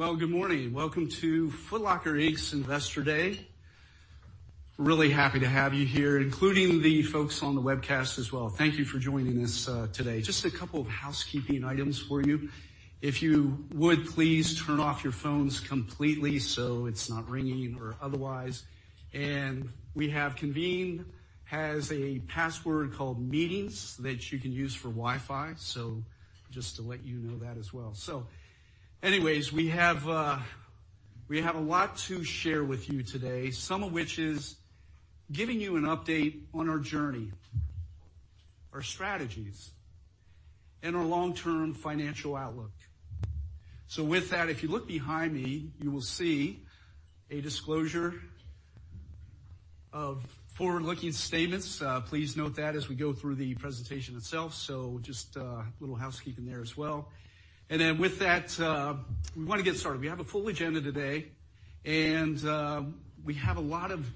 Well, good morning. Welcome to Foot Locker Inc.'s Investor Day. Really happy to have you here, including the folks on the webcast as well. Thank you for joining us today. Just a couple of housekeeping items for you. If you would, please turn off your phones completely so it's not ringing or otherwise. We have Convene has a password called meetings that you can use for Wi-Fi. Just to let you know that as well. We have a lot to share with you today, some of which is giving you an update on our journey, our strategies, and our long-term financial outlook. With that, if you look behind me, you will see a disclosure of forward-looking statements. Please note that as we go through the presentation itself. Just a little housekeeping there as well. With that, we want to get started. We have a full agenda today, and we have a lot of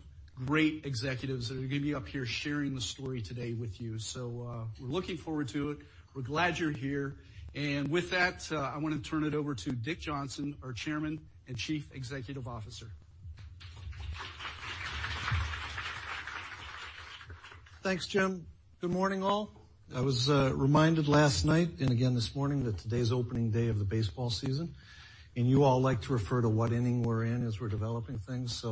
great executives that are going to be up here sharing the story today with you. We're looking forward to it. We're glad you're here. With that, I want to turn it over to Dick Johnson, our Chairman and Chief Executive Officer. Thanks, Jim. Good morning, all. I was reminded last night and again this morning that today is opening day of the baseball season. You all like to refer to what inning we're in as we're developing things.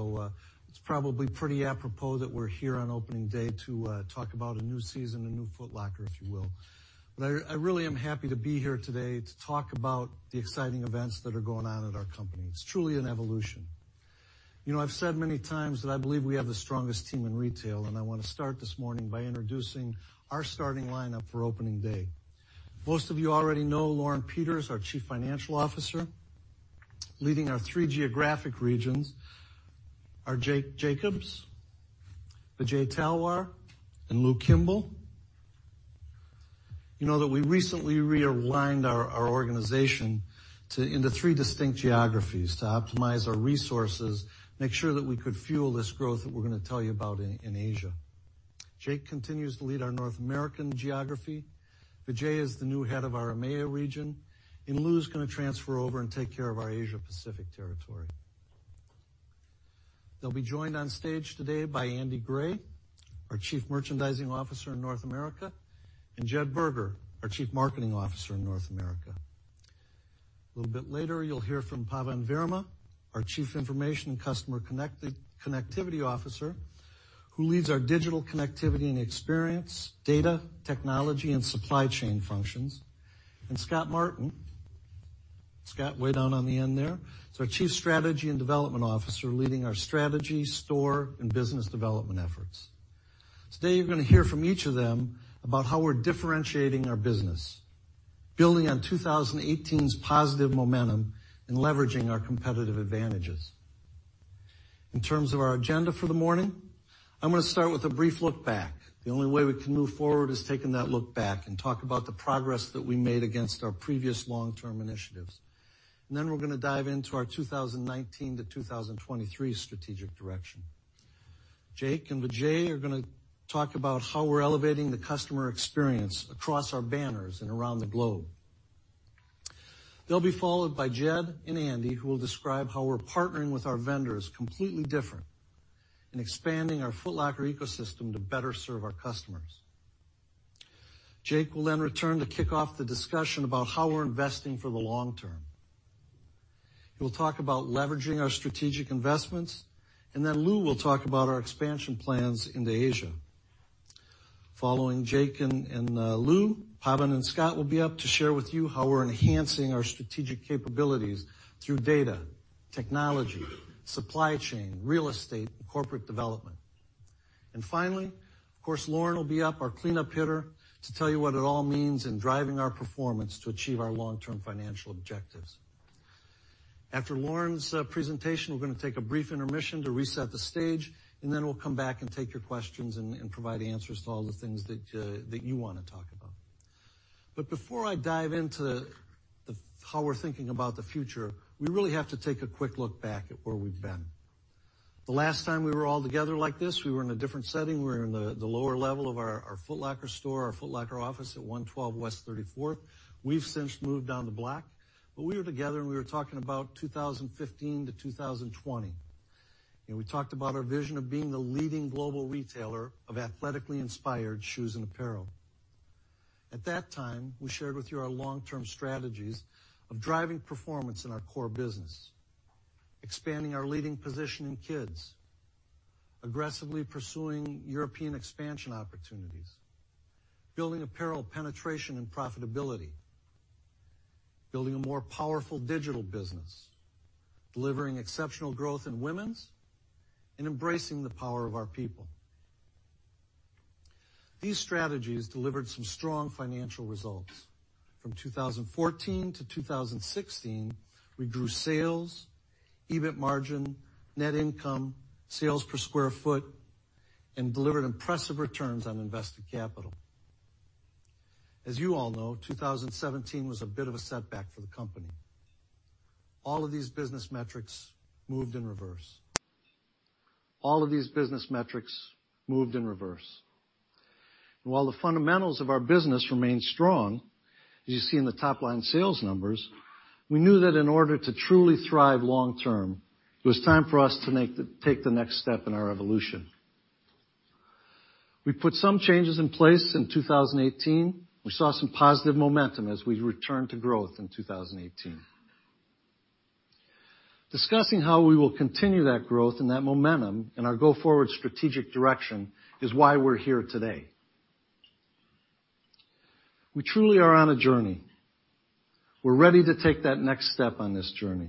It's probably pretty apropos that we're here on opening day to talk about a new season, a new Foot Locker, if you will. I really am happy to be here today to talk about the exciting events that are going on at our company. It's truly an evolution. I've said many times that I believe we have the strongest team in retail, and I want to start this morning by introducing our starting lineup for opening day. Most of you already know Lauren Peters, our Chief Financial Officer. Leading our three geographic regions are Jake Jacobs, Vijay Talwar, and Lew Kimble. You know that we recently realigned our organization into three distinct geographies to optimize our resources, make sure that we could fuel this growth that we're going to tell you about in Asia. Jake continues to lead our North American geography. Vijay is the new head of our EMEA region, and Lew's going to transfer over and take care of our Asia Pacific territory. They'll be joined on stage today by Andy Gray, our Chief Merchandising Officer in North America, and Jed Berger, our Chief Marketing Officer in North America. A little bit later, you'll hear from Pawan Verma, our Chief Information and Customer Connectivity Officer, who leads our digital connectivity and experience, data, technology, and supply chain functions. Scott Martin. Scott, way down on the end there. He's our Chief Strategy and Development Officer, leading our strategy, store, and business development efforts. Today, you're going to hear from each of them about how we're differentiating our business, building on 2018's positive momentum and leveraging our competitive advantages. In terms of our agenda for the morning, I'm going to start with a brief look back. The only way we can move forward is taking that look back and talk about the progress that we made against our previous long-term initiatives. Then we're going to dive into our 2019-2023 strategic direction. Jake and Vijay are going to talk about how we're elevating the customer experience across our banners and around the globe. They'll be followed by Jed and Andy, who will describe how we're partnering with our vendors completely different and expanding our Foot Locker ecosystem to better serve our customers. Jake will then return to kick off the discussion about how we're investing for the long term. He will talk about leveraging our strategic investments, then Lew will talk about our expansion plans into Asia. Following Jake and Lew, Pawan and Scott will be up to share with you how we're enhancing our strategic capabilities through data, technology, supply chain, real estate, and corporate development. Finally, of course, Lauren will be up, our cleanup hitter, to tell you what it all means in driving our performance to achieve our long-term financial objectives. After Lauren's presentation, we're going to take a brief intermission to reset the stage, then we'll come back and take your questions and provide answers to all the things that you want to talk about. Before I dive into how we're thinking about the future, we really have to take a quick look back at where we've been. The last time we were all together like this, we were in a different setting. We were in the lower level of our Foot Locker store, our Foot Locker office at 112 West 34th. We've since moved down the block, but we were together, and we were talking about 2015-2020. We talked about our vision of being the leading global retailer of athletically inspired shoes and apparel. At that time, we shared with you our long-term strategies of driving performance in our core business, expanding our leading position in kids, aggressively pursuing European expansion opportunities, building apparel penetration and profitability, building a more powerful digital business, delivering exceptional growth in women's, and embracing the power of our people. These strategies delivered some strong financial results. From 2014-2016, we grew sales, EBIT margin, net income, sales per square foot, and delivered impressive returns on invested capital. As you all know, 2017 was a bit of a setback for the company. All of these business metrics moved in reverse. While the fundamentals of our business remain strong, as you see in the top-line sales numbers, we knew that in order to truly thrive long term, it was time for us to take the next step in our evolution. We put some changes in place in 2018. We saw some positive momentum as we returned to growth in 2018. Discussing how we will continue that growth and that momentum and our go-forward strategic direction is why we're here today. We truly are on a journey. We're ready to take that next step on this journey.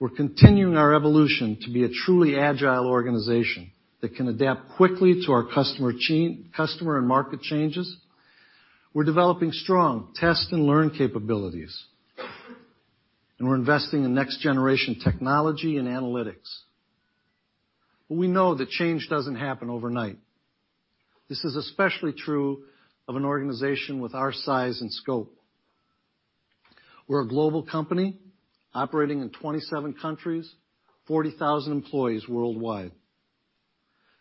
We're continuing our evolution to be a truly agile organization that can adapt quickly to our customer and market changes. We're developing strong test and learn capabilities. We're investing in next-generation technology and analytics. We know that change doesn't happen overnight. This is especially true of an organization with our size and scope. We're a global company operating in 27 countries, 40,000 employees worldwide.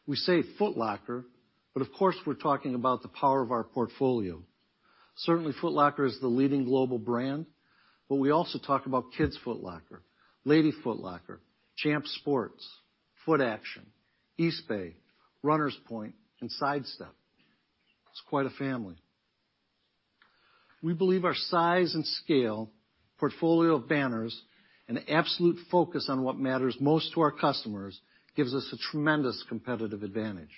We say Foot Locker, but of course, we're talking about the power of our portfolio. Certainly, Foot Locker is the leading global brand. We also talk about Kids Foot Locker, Lady Foot Locker, Champs Sports, Footaction, Eastbay, Runners Point, and Sidestep. It's quite a family. We believe our size and scale, portfolio of banners, and absolute focus on what matters most to our customers gives us a tremendous competitive advantage.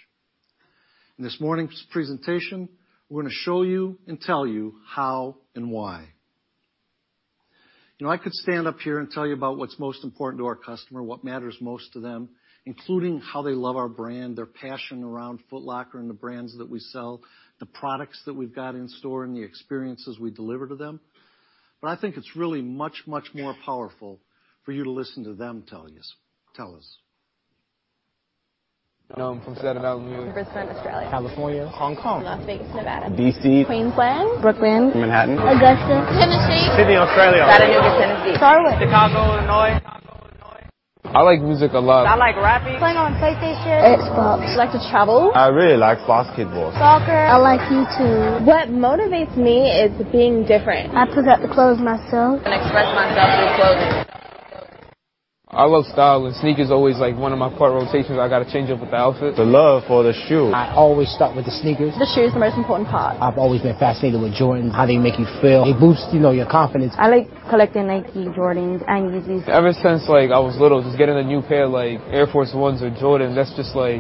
In this morning's presentation, we're going to show you and tell you how and why. I could stand up here and tell you about what's most important to our customer, what matters most to them, including how they love our brand, their passion around Foot Locker and the brands that we sell, the products that we've got in store, and the experiences we deliver to them. I think it's really much, much more powerful for you to listen to them tell us. I'm from Santa Monica. Brisbane, Australia. California. Hong Kong. Las Vegas, Nevada. DC. Queensland. Brooklyn. Manhattan. Augusta. Tennessee. Sydney, Australia. Chattanooga, Tennessee. Charlotte. Chicago, Illinois. I like music a lot. I like rapping. Playing on PlayStation. Xbox. I like to travel. I really like basketball. Soccer. I like YouTube. What motivates me is being different. I put up the clothes myself. I express myself through clothing. I love style, and sneakers are always one of my core rotations. I gotta change up with the outfit. The love for the shoe. I always start with the sneakers. The shoe is the most important part. I've always been fascinated with Jordan, how they make you feel. They boost your confidence. I like collecting Nike, Jordans, and Yeezys. Ever since I was little, just getting a new pair of Air Force 1s or Jordans, that's just like,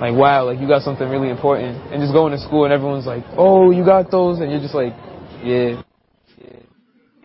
wow, you got something really important. Just going to school and everyone's like, "Oh, you got those?" You're just like, "Yeah.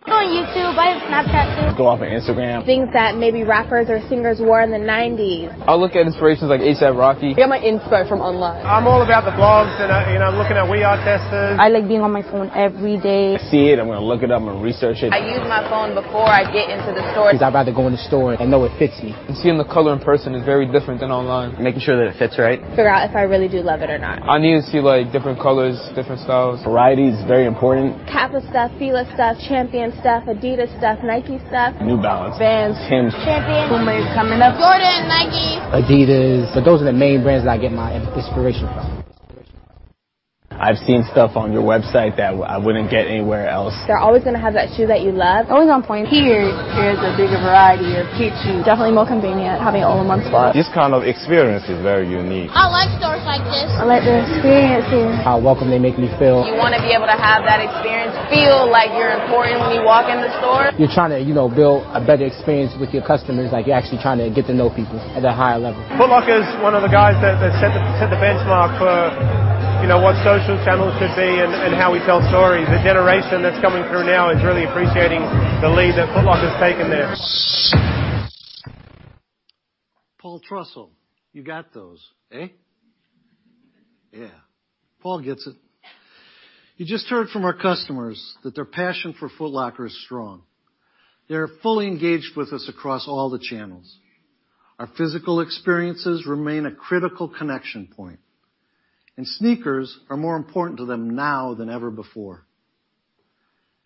Go on YouTube. I have Snapchat. I go off of Instagram. Things that maybe rappers or singers wore in the '90s. I look at inspirations like A$AP Rocky. Get my inspo from online. I'm all about the blogs and looking at WearTesters. I like being on my phone every day. I see it, I'm gonna look it up, I'm gonna research it. I use my phone before I get into the store. Because I'd rather go in the store and know it fits me. Seeing the color in person is very different than online, making sure that it fits right. Figure out if I really do love it or not. I need to see different colors, different styles. Variety is very important. Kappa stuff, FILA stuff, Champion stuff, Adidas stuff, Nike stuff. New Balance. Vans. K-Swiss. Champion. Puma is coming up. Jordan, Nike. Adidas. Those are the main brands that I get my inspiration from. I've seen stuff on your website that I wouldn't get anywhere else. They're always going to have that shoe that you love. Always on point. Here, there's a bigger variety of kid shoes. Definitely more convenient having it all in one spot. This kind of experience is very unique. I like stores like this. I like the experience here. How welcome they make me feel. You want to be able to have that experience, feel like you're important when you walk in the store. You're trying to build a better experience with your customers, like you're actually trying to get to know people at a higher level. Foot Locker's one of the guys that set the benchmark for what social channels should be and how we tell stories. The generation that's coming through now is really appreciating the lead that Foot Locker's taken there. Paul Trussell, you got those, eh? Yeah. Paul gets it. You just heard from our customers that their passion for Foot Locker is strong. They are fully engaged with us across all the channels. Our physical experiences remain a critical connection point. Sneakers are more important to them now than ever before.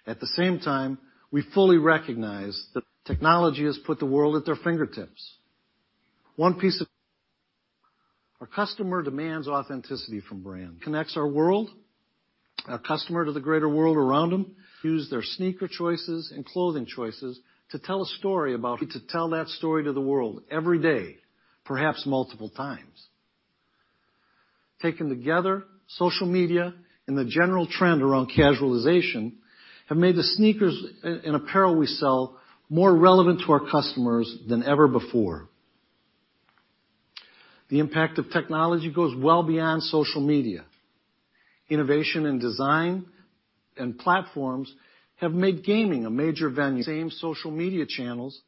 At the same time, we fully recognize that technology has put the world at their fingertips. Our customer demands authenticity from brand. Connects our world, our customer to the greater world around them. Use their sneaker choices and clothing choices to tell that story to the world every day, perhaps multiple times. Taken together, social media and the general trend around casualization have made the sneakers and apparel we sell more relevant to our customers than ever before. The impact of technology goes well beyond social media. Innovation in design and platforms have made gaming a major venue. Same social media channels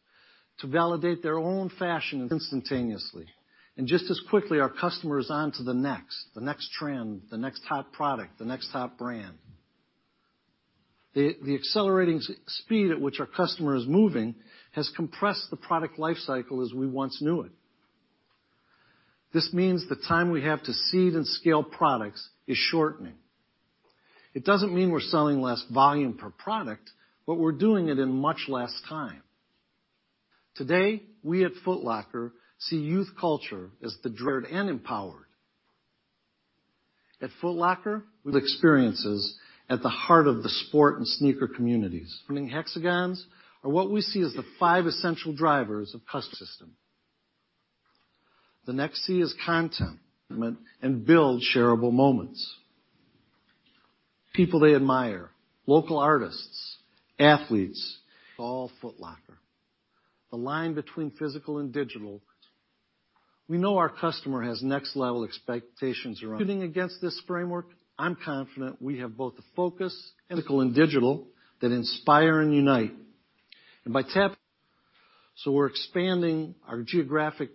to validate their own fashion. Instantaneously. Just as quickly, our customer is on to the next trend, the next hot product, the next hot brand. The accelerating speed at which our customer is moving has compressed the product life cycle as we once knew it. This means the time we have to seed and scale products is shortening. It doesn't mean we're selling less volume per product, but we're doing it in much less time. Today, we at Foot Locker see youth culture as the and empowered. At Foot Locker, with experiences at the heart of the sport and sneaker communities. Hexagons are what we see as the five essential drivers of customer system. The next C is content. Build shareable moments. People they admire, local artists, athletes. All Foot Locker. The line between physical and digital. We know our customer has next-level expectations around. Executing against this framework, I'm confident we have both the focus and. Physical and digital that inspire and unite. We're expanding our geographic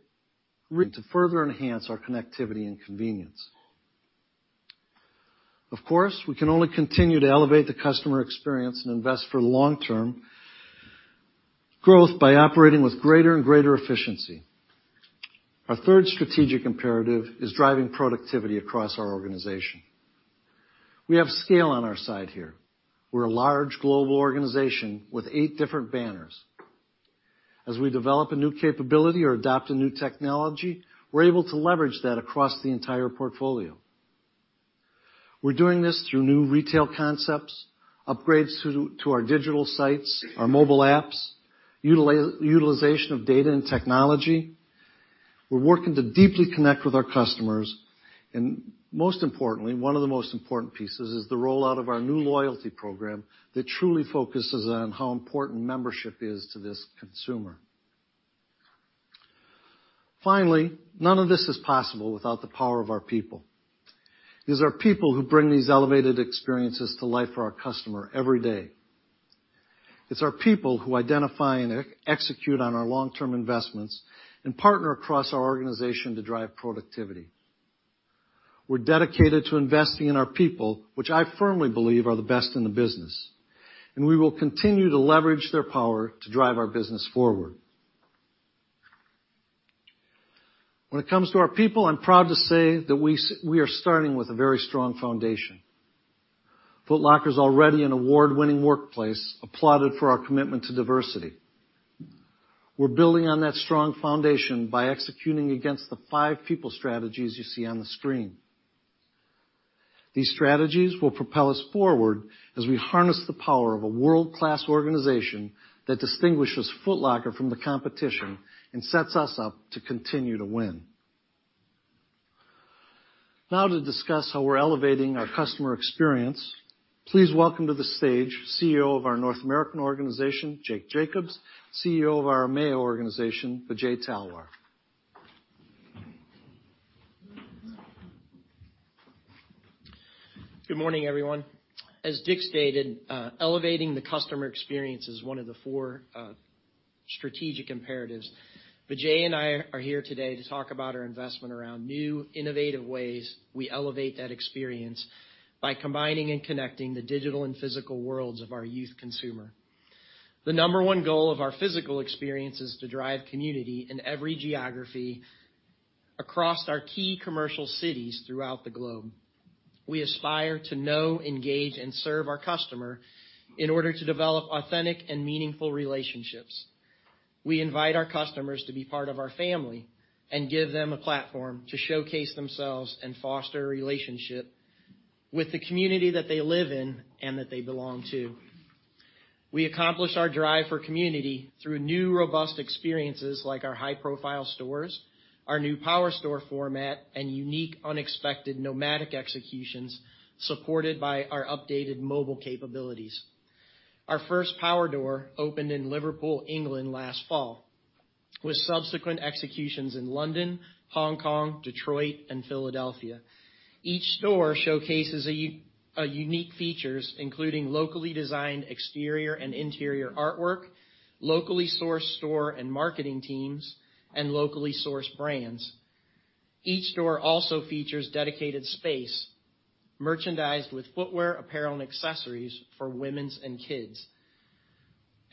reach to further enhance our connectivity and convenience. Of course, we can only continue to elevate the customer experience and invest for long-term growth by operating with greater and greater efficiency. Our third strategic imperative is driving productivity across our organization. We have scale on our side here. We're a large global organization with 8 different banners. As we develop a new capability or adopt a new technology, we're able to leverage that across the entire portfolio. We're doing this through new retail concepts, upgrades to our digital sites, our mobile apps, utilization of data and technology. We're working to deeply connect with our customers, and most importantly, one of the most important pieces is the rollout of our new loyalty program that truly focuses on how important membership is to this consumer. Finally, none of this is possible without the power of our people. These are people who bring these elevated experiences to life for our customer every day. It's our people who identify and execute on our long-term investments and partner across our organization to drive productivity. We're dedicated to investing in our people, which I firmly believe are the best in the business, and we will continue to leverage their power to drive our business forward. When it comes to our people, I'm proud to say that we are starting with a very strong foundation. Foot Locker's already an award-winning workplace, applauded for our commitment to diversity. We're building on that strong foundation by executing against the 5 people strategies you see on the screen. These strategies will propel us forward as we harness the power of a world-class organization that distinguishes Foot Locker from the competition and sets us up to continue to win. Now to discuss how we're elevating our customer experience, please welcome to the stage, CEO of our North American organization, Jake Jacobs, CEO of our EMEA organization, Vijay Talwar. Good morning, everyone. As Dick stated, elevating the customer experience is 1 of the 4 strategic imperatives. Vijay and I are here today to talk about our investment around new innovative ways we elevate that experience by combining and connecting the digital and physical worlds of our youth consumer. The number 1 goal of our physical experience is to drive community in every geography across our key commercial cities throughout the globe. We aspire to know, engage, and serve our customer in order to develop authentic and meaningful relationships. We invite our customers to be part of our family and give them a platform to showcase themselves and foster a relationship with the community that they live in and that they belong to. We accomplish our drive for community through new, robust experiences like our high-profile stores, our new power store format, and unique, unexpected nomadic executions supported by our updated mobile capabilities. Our first power store opened in Liverpool, England last fall, with subsequent executions in London, Hong Kong, Detroit, and Philadelphia. Each store showcases a unique features, including locally designed exterior and interior artwork, locally sourced store and marketing teams, and locally sourced brands. Each store also features dedicated space merchandised with footwear, apparel, and accessories for women's and kids.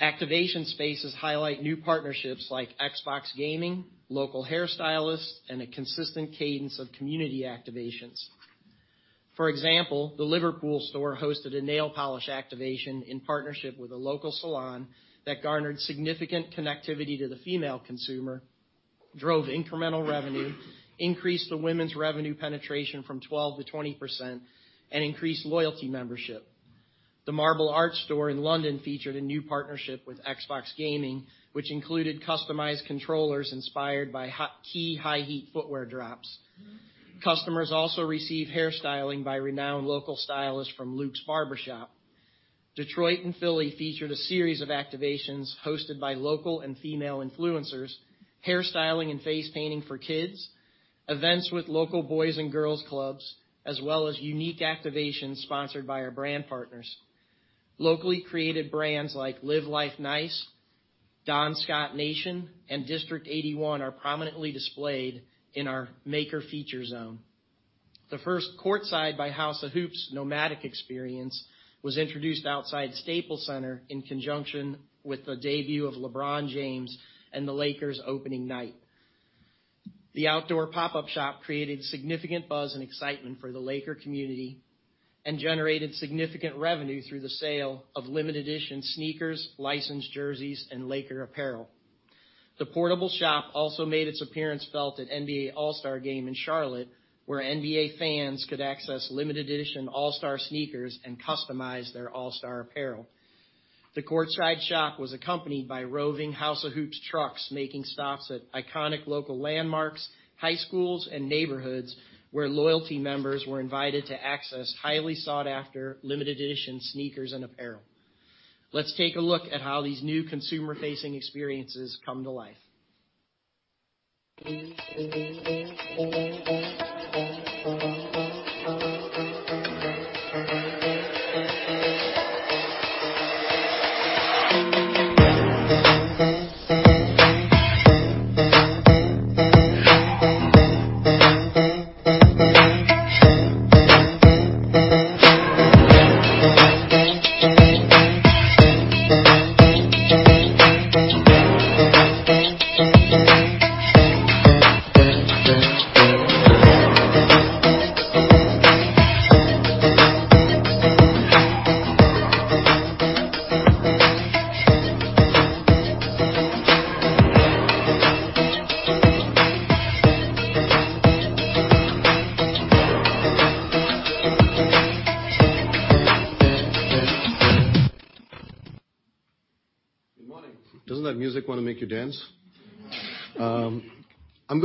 Activation spaces highlight new partnerships like Xbox Gaming, local hairstylists, and a consistent cadence of community activations. For example, the Liverpool store hosted a nail polish activation in partnership with a local salon that garnered significant connectivity to the female consumer, drove incremental revenue, increased the women's revenue penetration from 12%-20%, and increased loyalty membership. The Marble Arch store in London featured a new partnership with Xbox Gaming, which included customized controllers inspired by key high heat footwear drops. Customers also receive hairstyling by renowned local stylists from Luke's Barbershop. Detroit and Philly featured a series of activations hosted by local and female influencers, hairstyling and face painting for kids, events with local boys and girls clubs, as well as unique activations sponsored by our brand partners. Locally created brands like Live Life Nice, Don Scott Nation, and District 81 are prominently displayed in our maker feature zone. The first Courtside by House of Hoops nomadic experience was introduced outside Staples Center in conjunction with the debut of LeBron James and the Lakers opening night. The outdoor pop-up shop created significant buzz and excitement for the Laker community and generated significant revenue through the sale of limited edition sneakers, licensed jerseys, and Laker apparel. The portable shop also made its appearance felt at NBA All-Star Game in Charlotte, where NBA fans could access limited edition All-Star sneakers and customize their All-Star apparel. The courtside shop was accompanied by roving House of Hoops trucks making stops at iconic local landmarks, high schools, and neighborhoods where loyalty members were invited to access highly sought-after limited edition sneakers and apparel. Let's take a look at how these new consumer-facing experiences come to life. Good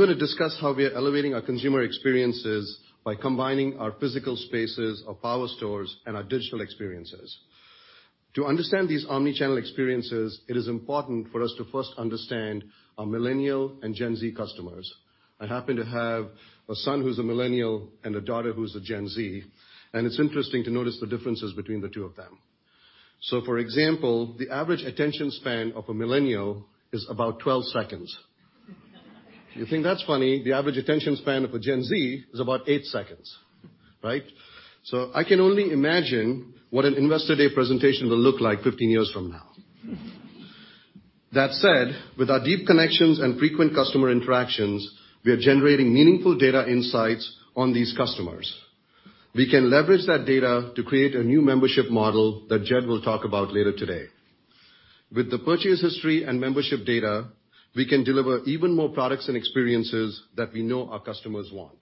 morning. Doesn't that music want to make you dance? I'm going to discuss how we are elevating our consumer experiences by combining our physical spaces, our power stores, and our digital experiences. To understand these omni-channel experiences, it is important for us to first understand our Millennial and Gen Z customers. I happen to have a son who's a Millennial and a daughter who's a Gen Z, and it's interesting to notice the differences between the two of them. For example, the average attention span of a Millennial is about 12 seconds. You think that's funny? The average attention span of a Gen Z is about eight seconds. I can only imagine what an Investor Day presentation will look like 15 years from now. That said, with our deep connections and frequent customer interactions, we are generating meaningful data insights on these customers. We can leverage that data to create a new membership model that Jed will talk about later today. With the purchase history and membership data, we can deliver even more products and experiences that we know our customers want.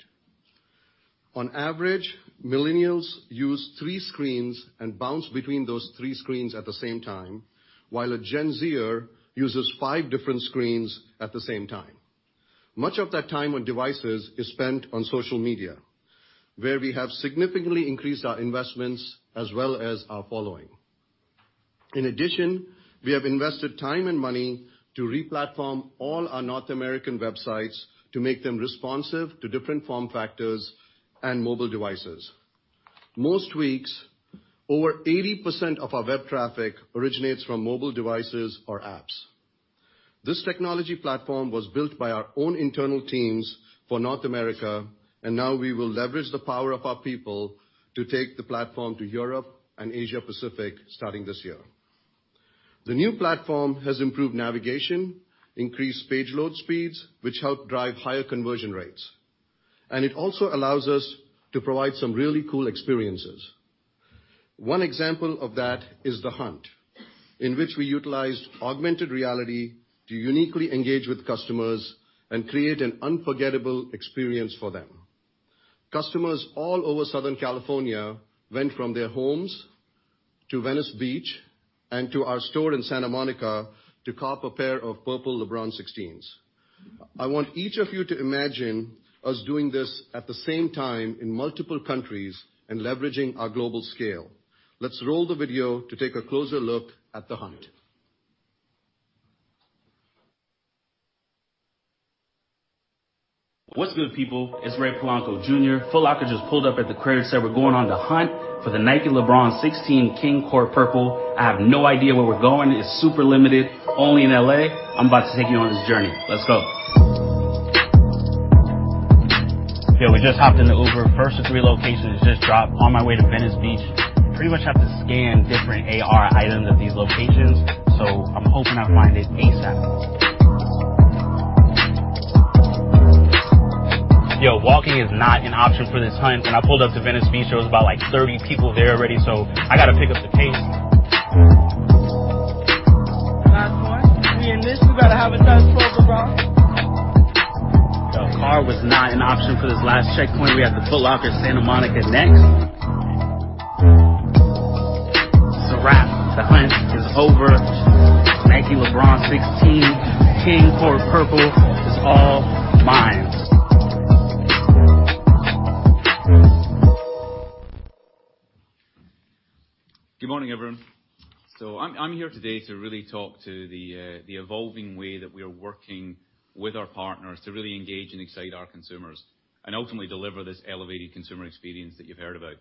On average, Millennials use three screens and bounce between those three screens at the same time, while a Gen Z-er uses five different screens at the same time. Much of that time on devices is spent on social media, where we have significantly increased our investments as well as our following. In addition, we have invested time and money to re-platform all our North American websites to make them responsive to different form factors and mobile devices. Most weeks, over 80% of our web traffic originates from mobile devices or apps. This technology platform was built by our own internal teams for North America. Now we will leverage the power of our people to take the platform to Europe and Asia Pacific starting this year. The new platform has improved navigation, increased page load speeds, which help drive higher conversion rates, it also allows us to provide some really cool experiences. One example of that is The Hunt, in which we utilized augmented reality to uniquely engage with customers and create an unforgettable experience for them. Customers all over Southern California went from their homes to Venice Beach and to our store in Santa Monica to cop a pair of purple LeBron 16s. I want each of you to imagine us doing this at the same time in multiple countries and leveraging our global scale. Let's roll the video to take a closer look at The Hunt. What's good, people? It's Ray Polanco Jr. Foot Locker just pulled up at the crib and said we're going on the hunt for the Nike LeBron 16 King Court Purple. I have no idea where we're going. It's super limited, only in L.A. I'm about to take you on this journey. Let's go. We just hopped in the Uber. First of three locations just dropped. On my way to Venice Beach. Pretty much have to scan different AR items at these locations. I'm hoping I find it ASAP. Yo, walking is not an option for this hunt. When I pulled up to Venice Beach, there was about 30 people there already. I got to pick up the pace. Last one. Me and this, we got to have a size 12 LeBron. Yo, car was not an option for this last checkpoint. We have to pull out to Santa Monica next. It's a wrap. The hunt is over. Nike LeBron 16 King Court Purple is all mine. Good morning, everyone. I'm here today to really talk to the evolving way that we are working with our partners to really engage and excite our consumers, ultimately deliver this elevated consumer experience that you've heard about.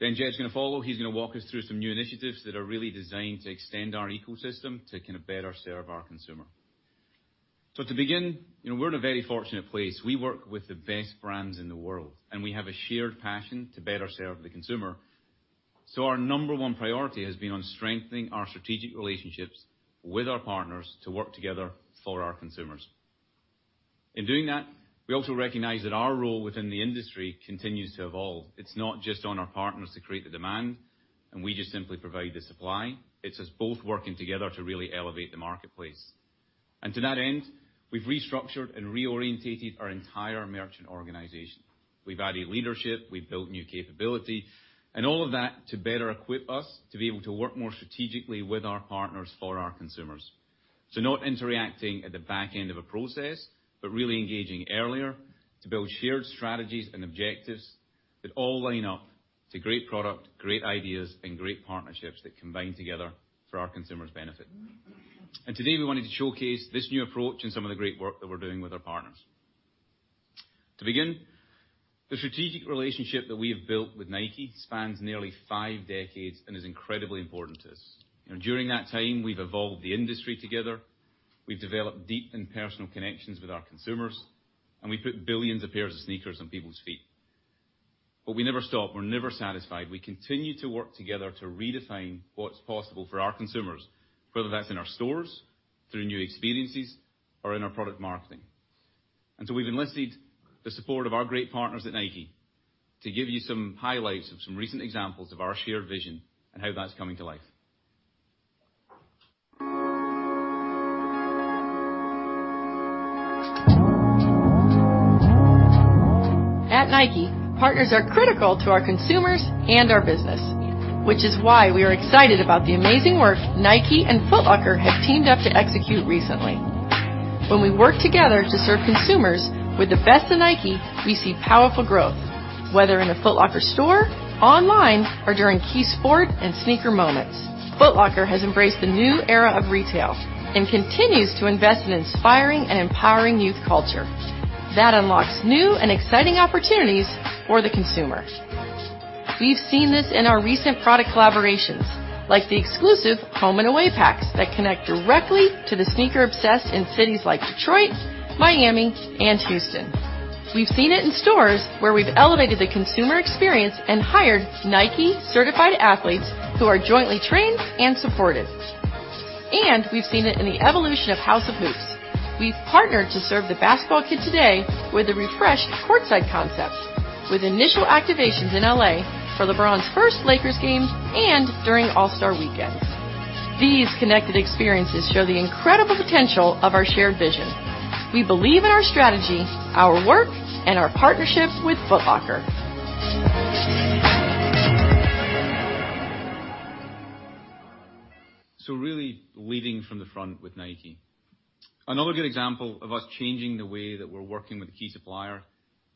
Jed's going to follow. He's going to walk us through some new initiatives that are really designed to extend our ecosystem to better serve our consumer. To begin, we're in a very fortunate place. We work with the best brands in the world, we have a shared passion to better serve the consumer. Our number one priority has been on strengthening our strategic relationships with our partners to work together for our consumers. In doing that, we also recognize that our role within the industry continues to evolve. It's not just on our partners to create the demand, we just simply provide the supply. It's us both working together to really elevate the marketplace. To that end, we've restructured and reorientated our entire merchant organization. We've added leadership, we've built new capability, all of that to better equip us to be able to work more strategically with our partners, for our consumers. Not interacting at the back end of a process, but really engaging earlier to build shared strategies and objectives that all line up to great product, great ideas, great partnerships that combine together for our consumers' benefit. Today, we wanted to showcase this new approach and some of the great work that we're doing with our partners. To begin, the strategic relationship that we have built with Nike spans nearly 5 decades and is incredibly important to us. During that time, we've evolved the industry together, we've developed deep and personal connections with our consumers, we put billions of pairs of sneakers on people's feet. We never stop. We're never satisfied. We continue to work together to redefine what's possible for our consumers, whether that's in our stores, through new experiences, or in our product marketing. We've enlisted the support of our great partners at Nike to give you some highlights of some recent examples of our shared vision and how that's coming to life. At Nike, partners are critical to our consumers, our business, which is why we are excited about the amazing work Nike and Foot Locker have teamed up to execute recently. When we work together to serve consumers with the best of Nike, we see powerful growth, whether in a Foot Locker store, online, or during key sport and sneaker moments. Foot Locker has embraced the new era of retail and continues to invest in inspiring empowering youth culture. That unlocks new and exciting opportunities for the consumer. We've seen this in our recent product collaborations, like the exclusive Home and Away packs that connect directly to the sneaker obsessed in cities like Detroit, Miami, Houston. We've seen it in stores, where we've elevated the consumer experience hired Nike-certified athletes who are jointly trained and supported. We've seen it in the evolution of House of Hoops. We've partnered to serve the basketball kid today with a refreshed courtside concept, with initial activations in L.A. for LeBron's first Lakers game and during All-Star weekend. These connected experiences show the incredible potential of our shared vision. We believe in our strategy, our work, and our partnership with Foot Locker. Really leading from the front with Nike. Another good example of us changing the way that we're working with a key supplier,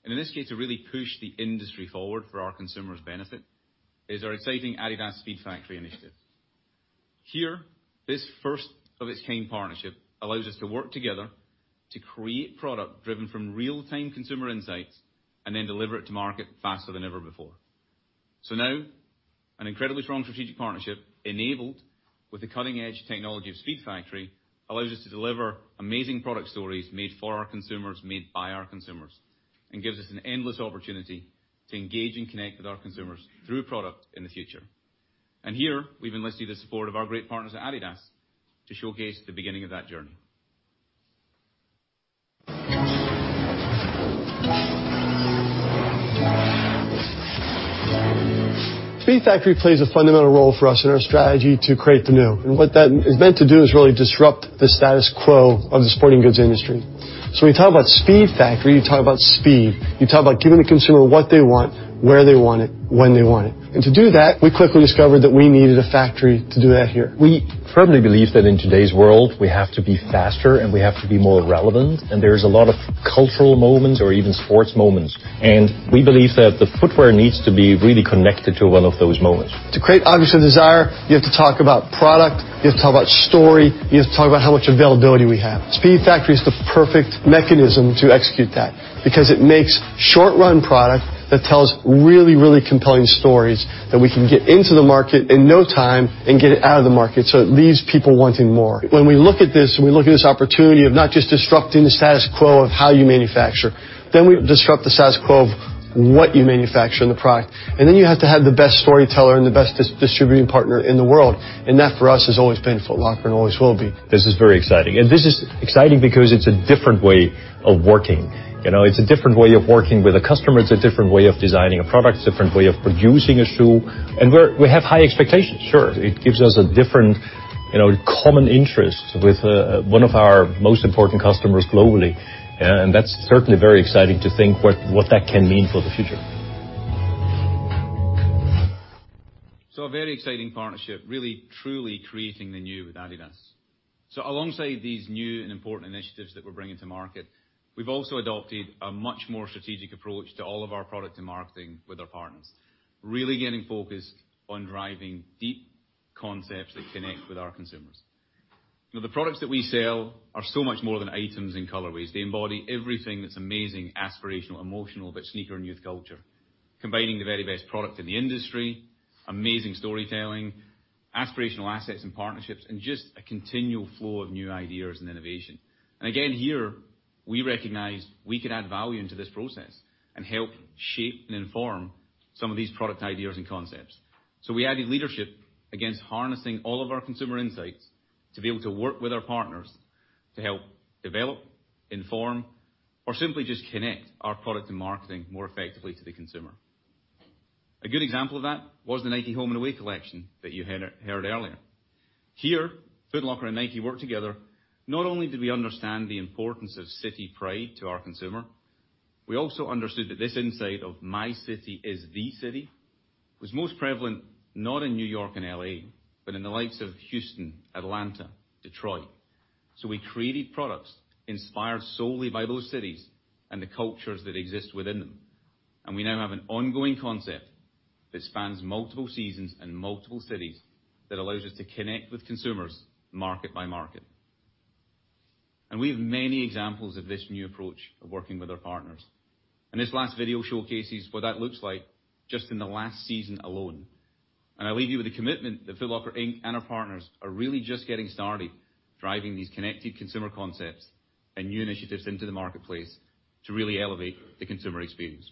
and in this case, to really push the industry forward for our consumers' benefit, is our exciting adidas SPEEDFACTORY initiative. Here, this first of its kind partnership allows us to work together to create product driven from real-time consumer insights and then deliver it to market faster than ever before. Now, an incredibly strong strategic partnership enabled with the cutting-edge technology of SPEEDFACTORY allows us to deliver amazing product stories made for our consumers, made by our consumers, and gives us an endless opportunity to engage and connect with our consumers through product in the future. Here, we've enlisted the support of our great partners at adidas to showcase the beginning of that journey. SPEEDFACTORY plays a fundamental role for us in our strategy to create the new. What that is meant to do is really disrupt the status quo of the sporting goods industry. When you talk about SPEEDFACTORY, you talk about speed. You talk about giving the consumer what they want, where they want it, when they want it. To do that, we quickly discovered that we needed a factory to do that here. We firmly believe that in today's world, we have to be faster, and we have to be more relevant, and there is a lot of cultural moments or even sports moments, and we believe that the footwear needs to be really connected to one of those moments. To create, obviously, desire, you have to talk about product, you have to talk about story, you have to talk about how much availability we have. SPEEDFACTORY is the perfect mechanism to execute that because it makes short-run product that tells really, really compelling stories that we can get into the market in no time and get it out of the market so it leaves people wanting more. When we look at this, we look at this opportunity of not just disrupting the status quo of how you manufacture, we disrupt the status quo of what you manufacture in the product. You have to have the best storyteller and the best distributing partner in the world. That, for us, has always been Foot Locker and always will be. This is very exciting. This is exciting because it's a different way of working. It's a different way of working with a customer. It's a different way of designing a product. It's a different way of producing a shoe. We have high expectations, sure. It gives us a different common interest with one of our most important customers globally. That's certainly very exciting to think what that can mean for the future. A very exciting partnership, really, truly creating the new with adidas. Alongside these new and important initiatives that we're bringing to market, we've also adopted a much more strategic approach to all of our product and marketing with our partners, really getting focused on driving deep concepts that connect with our consumers. The products that we sell are so much more than items and colorways. They embody everything that's amazing, aspirational, emotional about sneaker and youth culture, combining the very best product in the industry, amazing storytelling, aspirational assets and partnerships, and just a continual flow of new ideas and innovation. Again, here, we recognized we could add value into this process and help shape and inform some of these product ideas and concepts. We added leadership against harnessing all of our consumer insights to be able to work with our partners to help develop, inform, or simply just connect our product and marketing more effectively to the consumer. A good example of that was the Nike Home and Away collection that you heard earlier. Here, Foot Locker and Nike worked together. Not only did we understand the importance of city pride to our consumer, we also understood that this insight of my city is the city was most prevalent not in New York and L.A., but in the likes of Houston, Atlanta, Detroit. We created products inspired solely by those cities and the cultures that exist within them. We now have an ongoing concept that spans multiple seasons and multiple cities that allows us to connect with consumers market by market. We have many examples of this new approach of working with our partners. This last video showcases what that looks like just in the last season alone. I leave you with a commitment that Foot Locker, Inc. and our partners are really just getting started driving these connected consumer concepts and new initiatives into the marketplace to really elevate the consumer experience.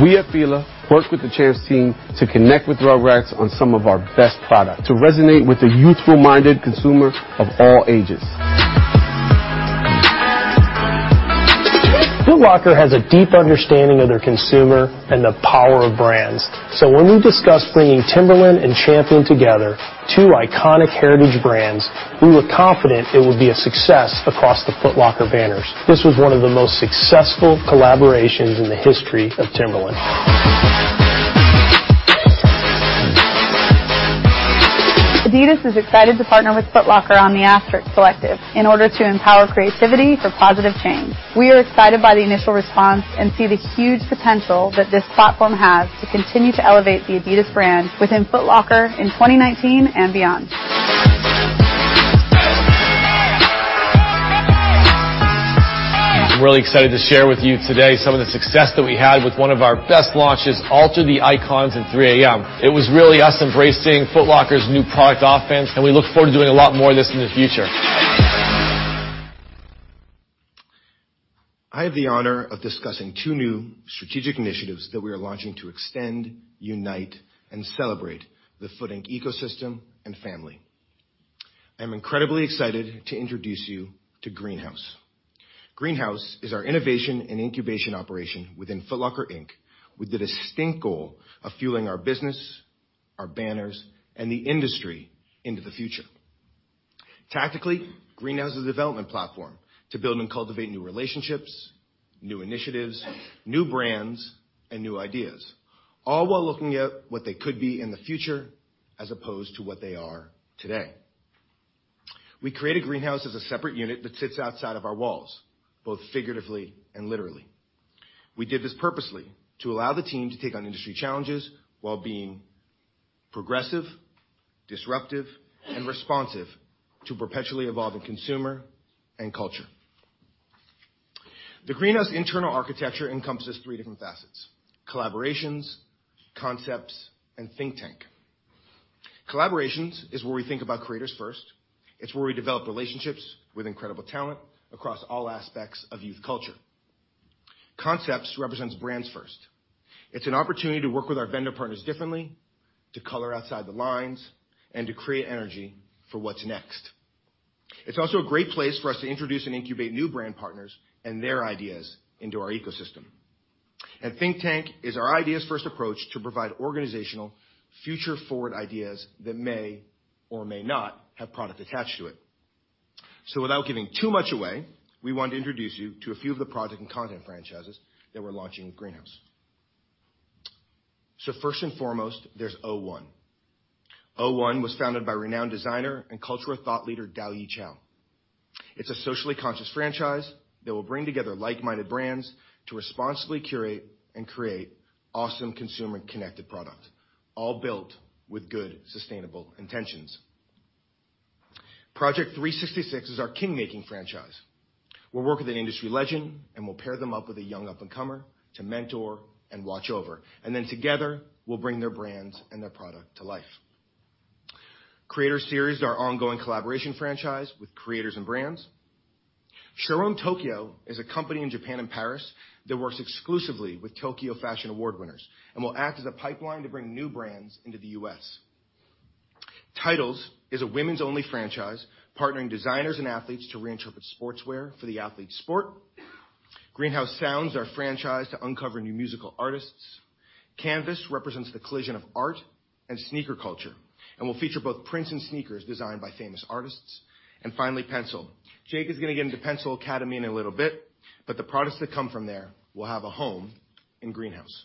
We at FILA work with the Champs team to connect with our brands on some of our best product to resonate with the youthful-minded consumer of all ages. Foot Locker has a deep understanding of their consumer and the power of brands. When we discussed bringing Timberland and Champion together, two iconic heritage brands, we were confident it would be a success across the Foot Locker banners. This was one of the most successful collaborations in the history of Timberland. Adidas is excited to partner with Foot Locker on the Asterisk Collective in order to empower creativity for positive change. We are excited by the initial response and see the huge potential that this platform has to continue to elevate the Adidas brand within Foot Locker in 2019 and beyond. I'm really excited to share with you today some of the success that we had with one of our best launches, Alter the Icons and 3:AM. It was really us embracing Foot Locker's new product offense. We look forward to doing a lot more of this in the future. I have the honor of discussing two new strategic initiatives that we are launching to extend, unite, and celebrate the Foot Locker, Inc. ecosystem and family. I'm incredibly excited to introduce you to Greenhouse. Greenhouse is our innovation and incubation operation within Foot Locker, Inc. With the distinct goal of fueling our business, our banners, and the industry into the future. Tactically, Greenhouse is a development platform to build and cultivate new relationships, new initiatives, new brands, and new ideas, all while looking at what they could be in the future as opposed to what they are today. We created Greenhouse as a separate unit that sits outside of our walls, both figuratively and literally. We did this purposely to allow the team to take on industry challenges while being progressive, disruptive, and responsive to perpetually evolving consumer and culture. The Greenhouse internal architecture encompasses three different facets: collaborations, concepts, and think tank. Collaborations is where we think about creators first. It's where we develop relationships with incredible talent across all aspects of youth culture. Concepts represents brands first. It's an opportunity to work with our vendor partners differently, to color outside the lines, and to create energy for what's next. It's also a great place for us to introduce and incubate new brand partners and their ideas into our ecosystem. Think tank is our ideas-first approach to provide organizational future forward ideas that may or may not have product attached to it. Without giving too much away, we want to introduce you to a few of the project and content franchises that we're launching with Greenhouse. First and foremost, there's O-One. O-One was founded by renowned designer and cultural thought leader, Dao-Yi Chow. It's a socially conscious franchise that will bring together like-minded brands to responsibly curate and create awesome consumer-connected product, all built with good, sustainable intentions. Project 366 is our king-making franchise. We'll work with an industry legend. We'll pair them up with a young up-and-comer to mentor and watch over. Then together, we'll bring their brands and their product to life. Creator Series is our ongoing collaboration franchise with creators and brands. Showroom Tokyo is a company in Japan and Paris that works exclusively with Tokyo Fashion Award winners and will act as a pipeline to bring new brands into the U.S. Titles is a women's only franchise, partnering designers and athletes to reinterpret sportswear for the athlete's sport. Greenhouse Sounds are a franchise to uncover new musical artists. Canvas represents the collision of art and sneaker culture and will feature both prints and sneakers designed by famous artists. Finally, PENSOLE. Jake is going to get into PENSOLE Academy in a little bit, the products that come from there will have a home in Greenhouse.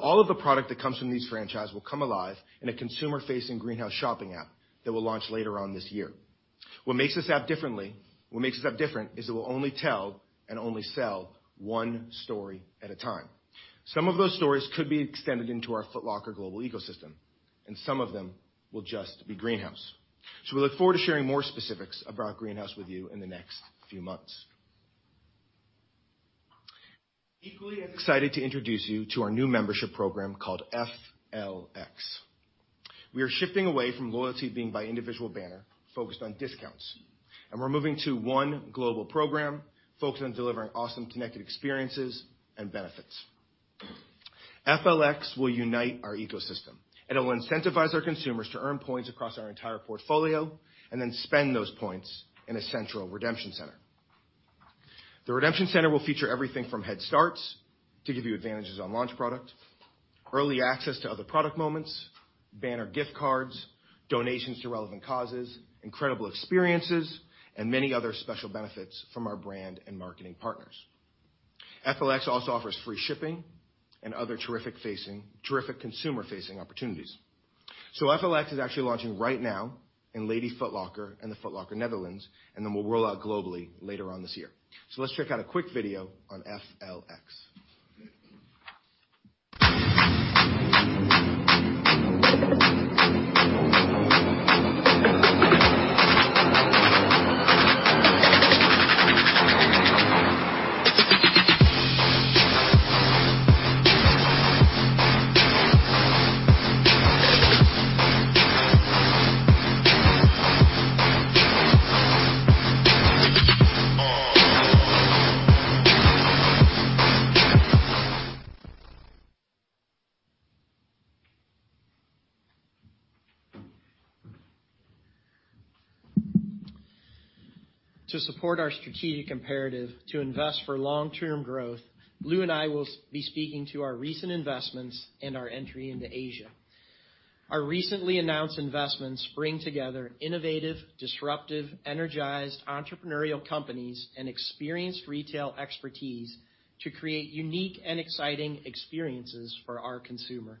All of the product that comes from these franchise will come alive in a consumer-facing Greenhouse shopping app that will launch later on this year. What makes this app different is it will only tell and only sell one story at a time. Some of those stories could be extended into our Foot Locker global ecosystem, some of them will just be Greenhouse. We look forward to sharing more specifics about Greenhouse with you in the next few months. Equally as excited to introduce you to our new membership program called FLX. We are shifting away from loyalty being by individual banner focused on discounts, and we're moving to one global program focused on delivering awesome connected experiences and benefits. FLX will unite our ecosystem, it will incentivize our consumers to earn points across our entire portfolio then spend those points in a central redemption center. The redemption center will feature everything from head starts to give you advantages on launch product, early access to other product moments, banner gift cards, donations to relevant causes, incredible experiences, and many other special benefits from our brand and marketing partners. FLX also offers free shipping and other terrific consumer-facing opportunities. FLX is actually launching right now in Lady Foot Locker and the Foot Locker Netherlands, then will roll out globally later on this year. Let's check out a quick video on FLX. To support our strategic imperative to invest for long-term growth, Lew and I will be speaking to our recent investments and our entry into Asia. Our recently announced investments bring together innovative, disruptive, energized entrepreneurial companies, and experienced retail expertise to create unique and exciting experiences for our consumer.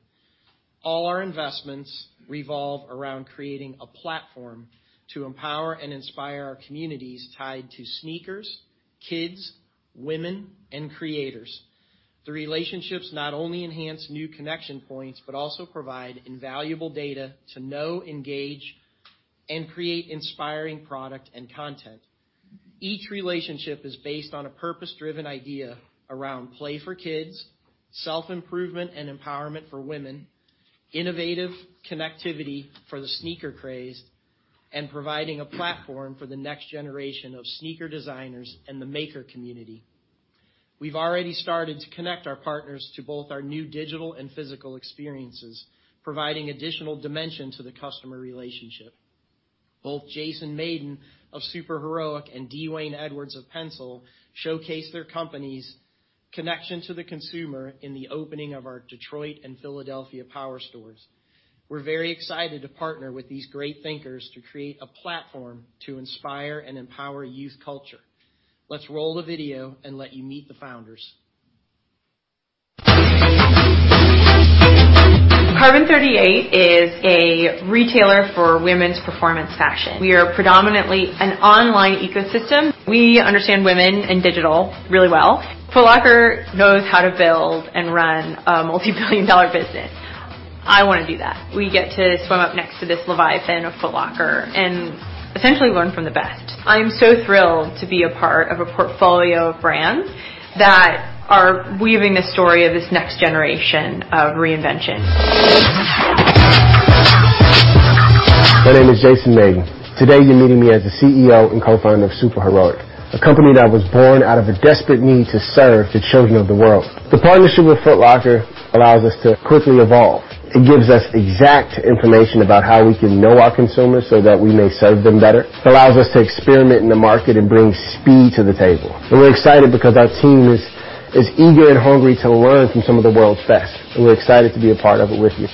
All our investments revolve around creating a platform to empower and inspire our communities tied to sneakers, kids, women, and creators. The relationships not only enhance new connection points but also provide invaluable data to know, engage, and create inspiring product and content. Each relationship is based on a purpose-driven idea around play for kids, self-improvement and empowerment for women, innovative connectivity for the sneaker craze, and providing a platform for the next generation of sneaker designers and the maker community. We've already started to connect our partners to both our new digital and physical experiences, providing additional dimension to the customer relationship. Both Jason Mayden of Super Heroic and D'Wayne Edwards of PENSOLE showcase their company's connection to the consumer in the opening of our Detroit and Philadelphia power stores. We're very excited to partner with these great thinkers to create a platform to inspire and empower youth culture. Let's roll the video and let you meet the founders. Carbon38 is a retailer for women's performance fashion. We are predominantly an online ecosystem. We understand women and digital really well. Foot Locker knows how to build and run a multibillion-dollar business. I want to do that. We get to swim up next to this leviathan of Foot Locker and essentially learn from the best. I'm so thrilled to be a part of a portfolio of brands that are weaving a story of this next generation of reinvention. My name is Jason Mayden. Today, you're meeting me as the CEO and co-founder of Super Heroic, a company that was born out of a desperate need to serve the children of the world. The partnership with Foot Locker allows us to quickly evolve. It gives us exact information about how we can know our consumers so that we may serve them better. It allows us to experiment in the market and bring speed to the table. We're excited because our team is eager and hungry to learn from some of the world's best, and we're excited to be a part of it with you.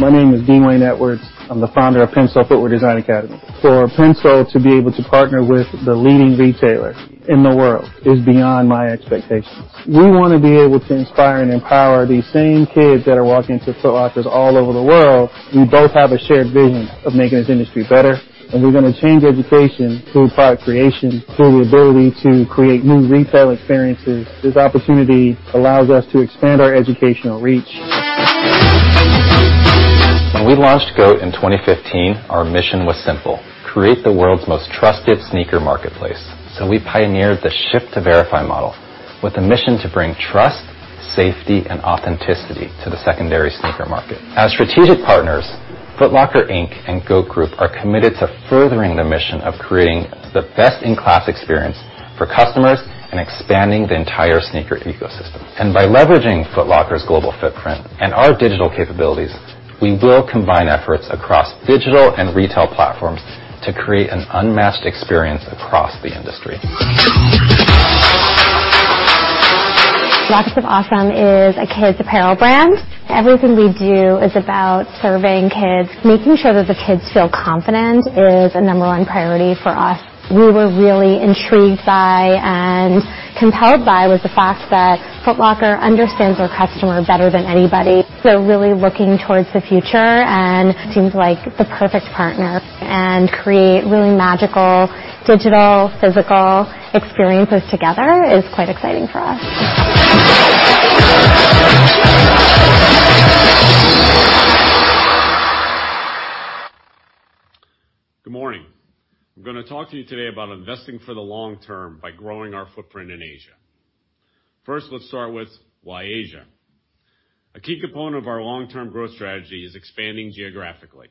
My name is D'Wayne Edwards. I'm the founder of PENSOLE Footwear Design Academy. For PENSOLE to be able to partner with the leading retailer in the world is beyond my expectations. We want to be able to inspire and empower these same kids that are walking into Foot Lockers all over the world. We both have a shared vision of making this industry better, and we're going to change education through product creation, through the ability to create new retail experiences. This opportunity allows us to expand our educational reach. When we launched GOAT in 2015, our mission was simple: create the world's most trusted sneaker marketplace. We pioneered the ship-to-verify model with a mission to bring trust, safety, and authenticity to the secondary sneaker market. As strategic partners, Foot Locker, Inc. and GOAT Group are committed to furthering the mission of creating the best-in-class experience for customers and expanding the entire sneaker ecosystem. By leveraging Foot Locker's global footprint and our digital capabilities, we will combine efforts across digital and retail platforms to create an unmatched experience across the industry. Rockets of Awesome is a kids' apparel brand. Everything we do is about surveying kids. Making sure that the kids feel confident is a number one priority for us. We were really intrigued by and compelled by was the fact that Foot Locker understands their customer better than anybody. They're really looking towards the future and seems like the perfect partner and create really magical digital, physical experiences together is quite exciting for us. Good morning. I'm going to talk to you today about investing for the long term by growing our footprint in Asia. First, let's start with why Asia. A key component of our long-term growth strategy is expanding geographically,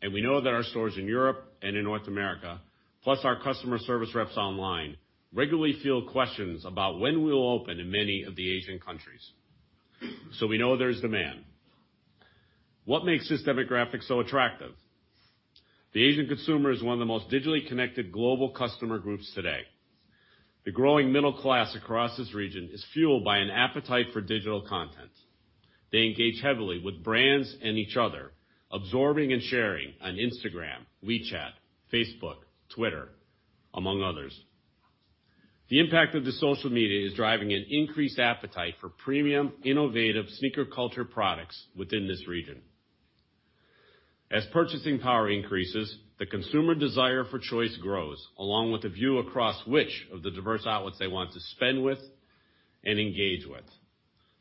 and we know that our stores in Europe and in North America, plus our customer service reps online, regularly field questions about when we'll open in many of the Asian countries. We know there's demand. What makes this demographic so attractive? The Asian consumer is one of the most digitally connected global customer groups today. The growing middle class across this region is fueled by an appetite for digital content. They engage heavily with brands and each other, absorbing and sharing on Instagram, WeChat, Facebook, Twitter, among others. The impact of the social media is driving an increased appetite for premium, innovative sneaker culture products within this region. As purchasing power increases, the consumer desire for choice grows, along with the view across which of the diverse outlets they want to spend with and engage with.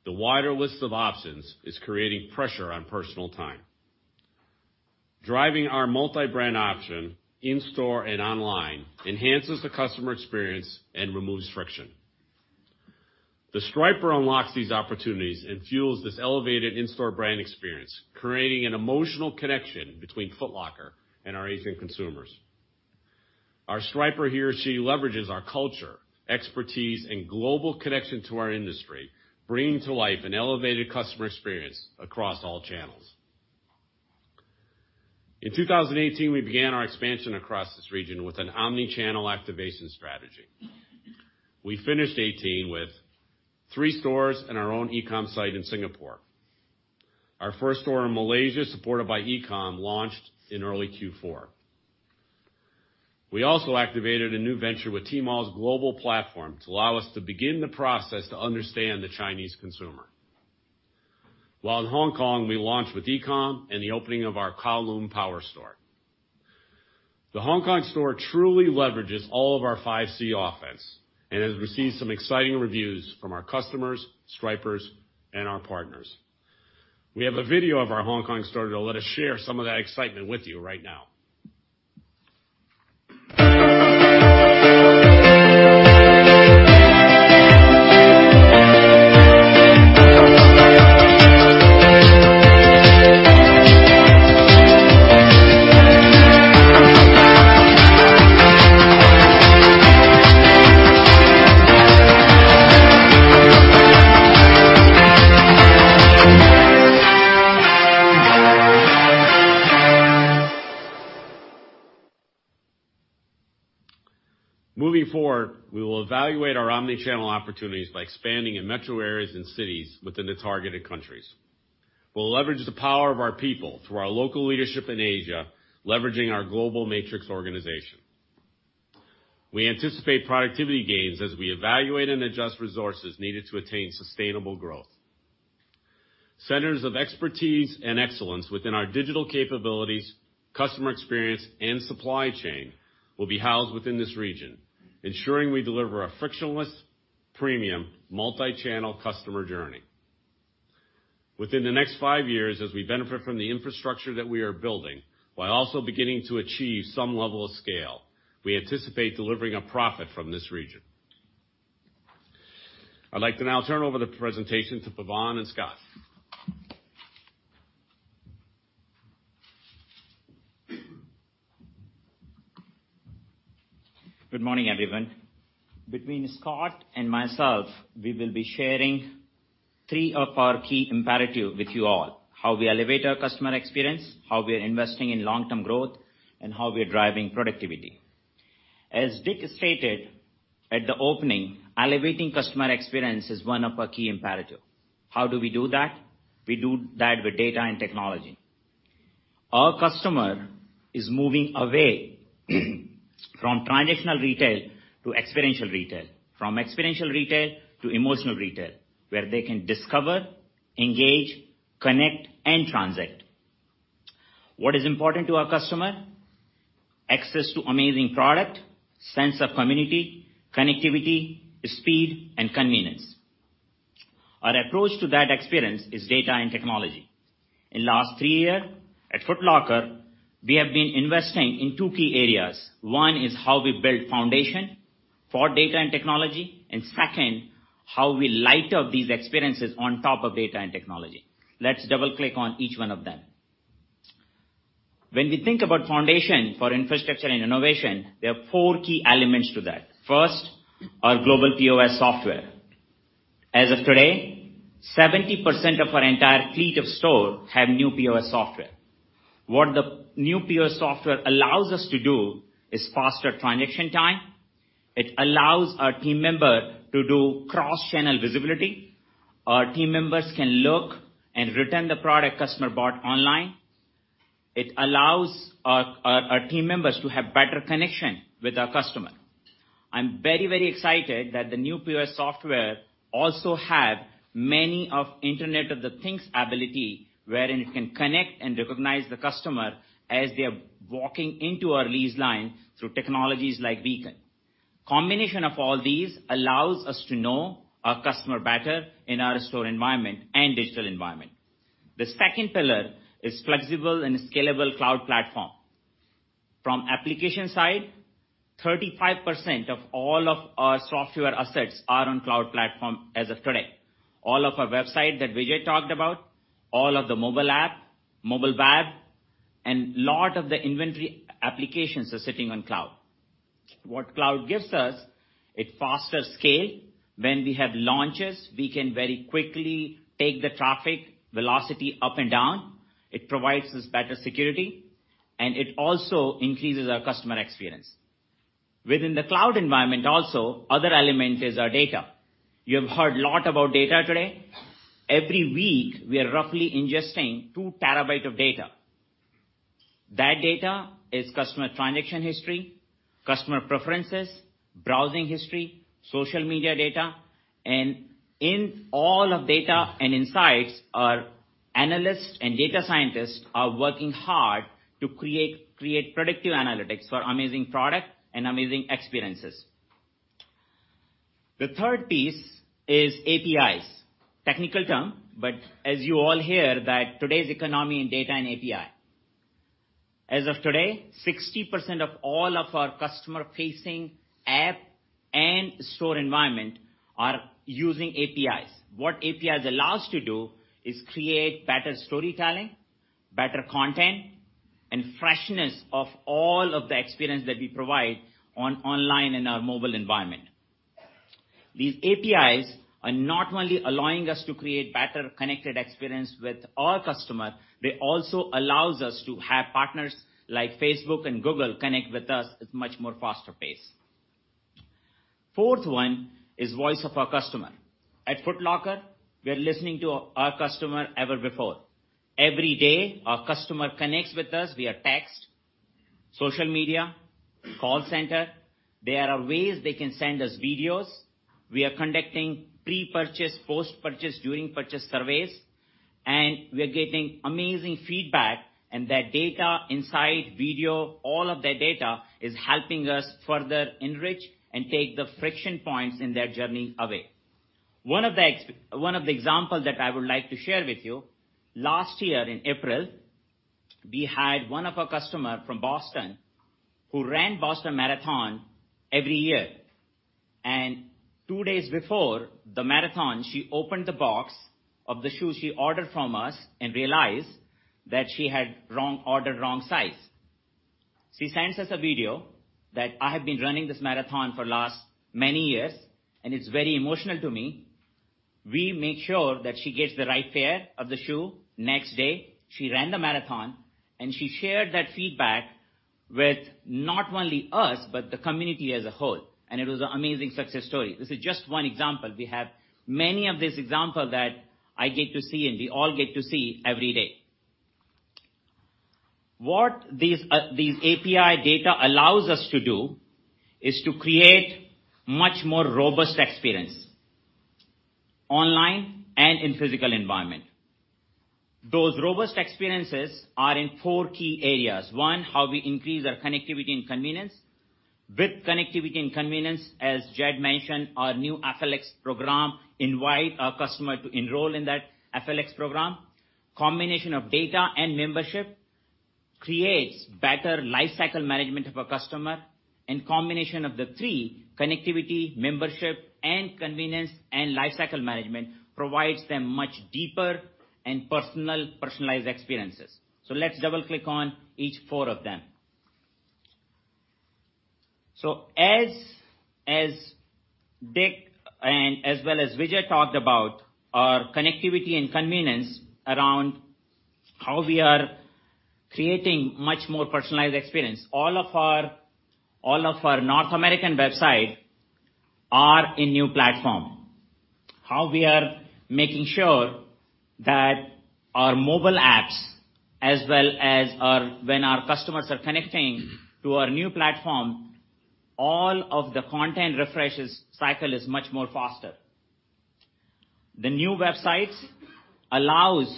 The wider list of options is creating pressure on personal time. Driving our multi-brand option in-store and online enhances the customer experience and removes friction. The Striper unlocks these opportunities and fuels this elevated in-store brand experience, creating an emotional connection between Foot Locker and our Asian consumers. Our Striper, he or she, leverages our culture, expertise, and global connection to our industry, bringing to life an elevated customer experience across all channels. In 2018, we began our expansion across this region with an omni-channel activation strategy. We finished 2018 with three stores and our own e-com site in Singapore. Our first store in Malaysia, supported by e-com, launched in early Q4. We also activated a new venture with Tmall's global platform to allow us to begin the process to understand the Chinese consumer. While in Hong Kong, we launched with e-com and the opening of our Kowloon power store. The Hong Kong store truly leverages all of our five C offense and has received some exciting reviews from our customers, Stripers, and our partners. We have a video of our Hong Kong store that will let us share some of that excitement with you right now. Moving forward, we will evaluate our omni-channel opportunities by expanding in metro areas and cities within the targeted countries. We'll leverage the power of our people through our local leadership in Asia, leveraging our global matrix organization. We anticipate productivity gains as we evaluate and adjust resources needed to attain sustainable growth. Centers of expertise and excellence within our digital capabilities, customer experience, and supply chain will be housed within this region, ensuring we deliver a frictionless, premium, multi-channel customer journey. Within the next five years, as we benefit from the infrastructure that we are building, while also beginning to achieve some level of scale, we anticipate delivering a profit from this region. I'd like to now turn over the presentation to Pawan and Scott. Good morning, everyone. Between Scott and myself, we will be sharing three of our key imperative with you all, how we elevate our customer experience, how we are investing in long-term growth, and how we are driving productivity. As Dick stated at the opening, elevating customer experience is one of our key imperative. How do we do that? We do that with data and technology. Our customer is moving away from traditional retail to experiential retail, from experiential retail to emotional retail, where they can discover, engage, connect, and transact. What is important to our customer? Access to amazing product, sense of community, connectivity, speed, and convenience. Our approach to that experience is data and technology. In last three year at Foot Locker, we have been investing in two key areas. One is how we build foundation for data and technology, and second, how we light up these experiences on top of data and technology. Let's double-click on each one of them. When we think about foundation for infrastructure and innovation, there are four key elements to that. First, our global POS software. As of today, 70% of our entire fleet of store have new POS software. What the new POS software allows us to do is faster transaction time. It allows our team member to do cross-channel visibility. Our team members can look and return the product customer bought online. It allows our team members to have better connection with our customer. I'm very excited that the new POS software also have many of Internet of the Things ability, wherein it can connect and recognize the customer as they are walking into our leaseline through technologies like Beacon. Combination of all these allows us to know our customer better in our store environment and digital environment. The second pillar is flexible and scalable cloud platform. From application side, 35% of all of our software assets are on cloud platform as of today. All of our website that Vijay Talwar talked about, all of the mobile app, mobile web, and lot of the inventory applications are sitting on cloud. What cloud gives us, a faster scale. When we have launches, we can very quickly take the traffic velocity up and down. It provides us better security, and it also increases our customer experience. Within the cloud environment also, other element is our data. You have heard lot about data today. Every week, we are roughly ingesting two terabyte of data. That data is customer transaction history, customer preferences, browsing history, social media data. In all of data and insights, our analysts and data scientists are working hard to create predictive analytics for amazing product and amazing experiences. The third piece is APIs. Technical term, but as you all hear that today's economy in data and API. As of today, 60% of all of our customer-facing app and store environment are using APIs. What APIs allows to do is create better storytelling, better content, and freshness of all of the experience that we provide on online and our mobile environment. These APIs are not only allowing us to create better connected experience with our customer, they also allows us to have partners like Facebook and Google connect with us at much more faster pace. Fourth one is voice of our customer. At Foot Locker, we are listening to our customer ever before. Every day, our customer connects with us via text, social media, call center. There are ways they can send us videos. We are conducting pre-purchase, post-purchase, during purchase surveys, and we are getting amazing feedback and that data, insight, video, all of that data is helping us further enrich and take the friction points in their journey away. One of the examples that I would like to share with you, last year in April, we had one of our customer from Boston who ran Boston Marathon every year. Two days before the marathon, she opened the box of the shoes she ordered from us and realized that she had ordered wrong size. She sends us a video that, "I have been running this marathon for last many years, and it's very emotional to me." We make sure that she gets the right pair of the shoe. Next day, she ran the marathon, and she shared that feedback with not only us but the community as a whole, and it was an amazing success story. This is just one example. We have many of this example that I get to see, and we all get to see every day. What these API data allows us to do is to create much more robust experiences online and in physical environment. Those robust experiences are in four key areas. One, how we increase our connectivity and convenience. With connectivity and convenience, as Jed Berger mentioned, our new FLX program invite our customer to enroll in that FLX program. Combination of data and membership creates better life cycle management of a customer. Combination of the three, connectivity, membership, and convenience, and life cycle management provides them much deeper and personalized experiences. Let's double-click on each four of them. As Dick and as well as Vijay talked about our connectivity and convenience around how we are creating much more personalized experience. All of our North American websites are in new platform. How we are making sure that our mobile apps, as well as when our customers are connecting to our new platform, all of the content refreshes cycle is much more faster. The new websites allows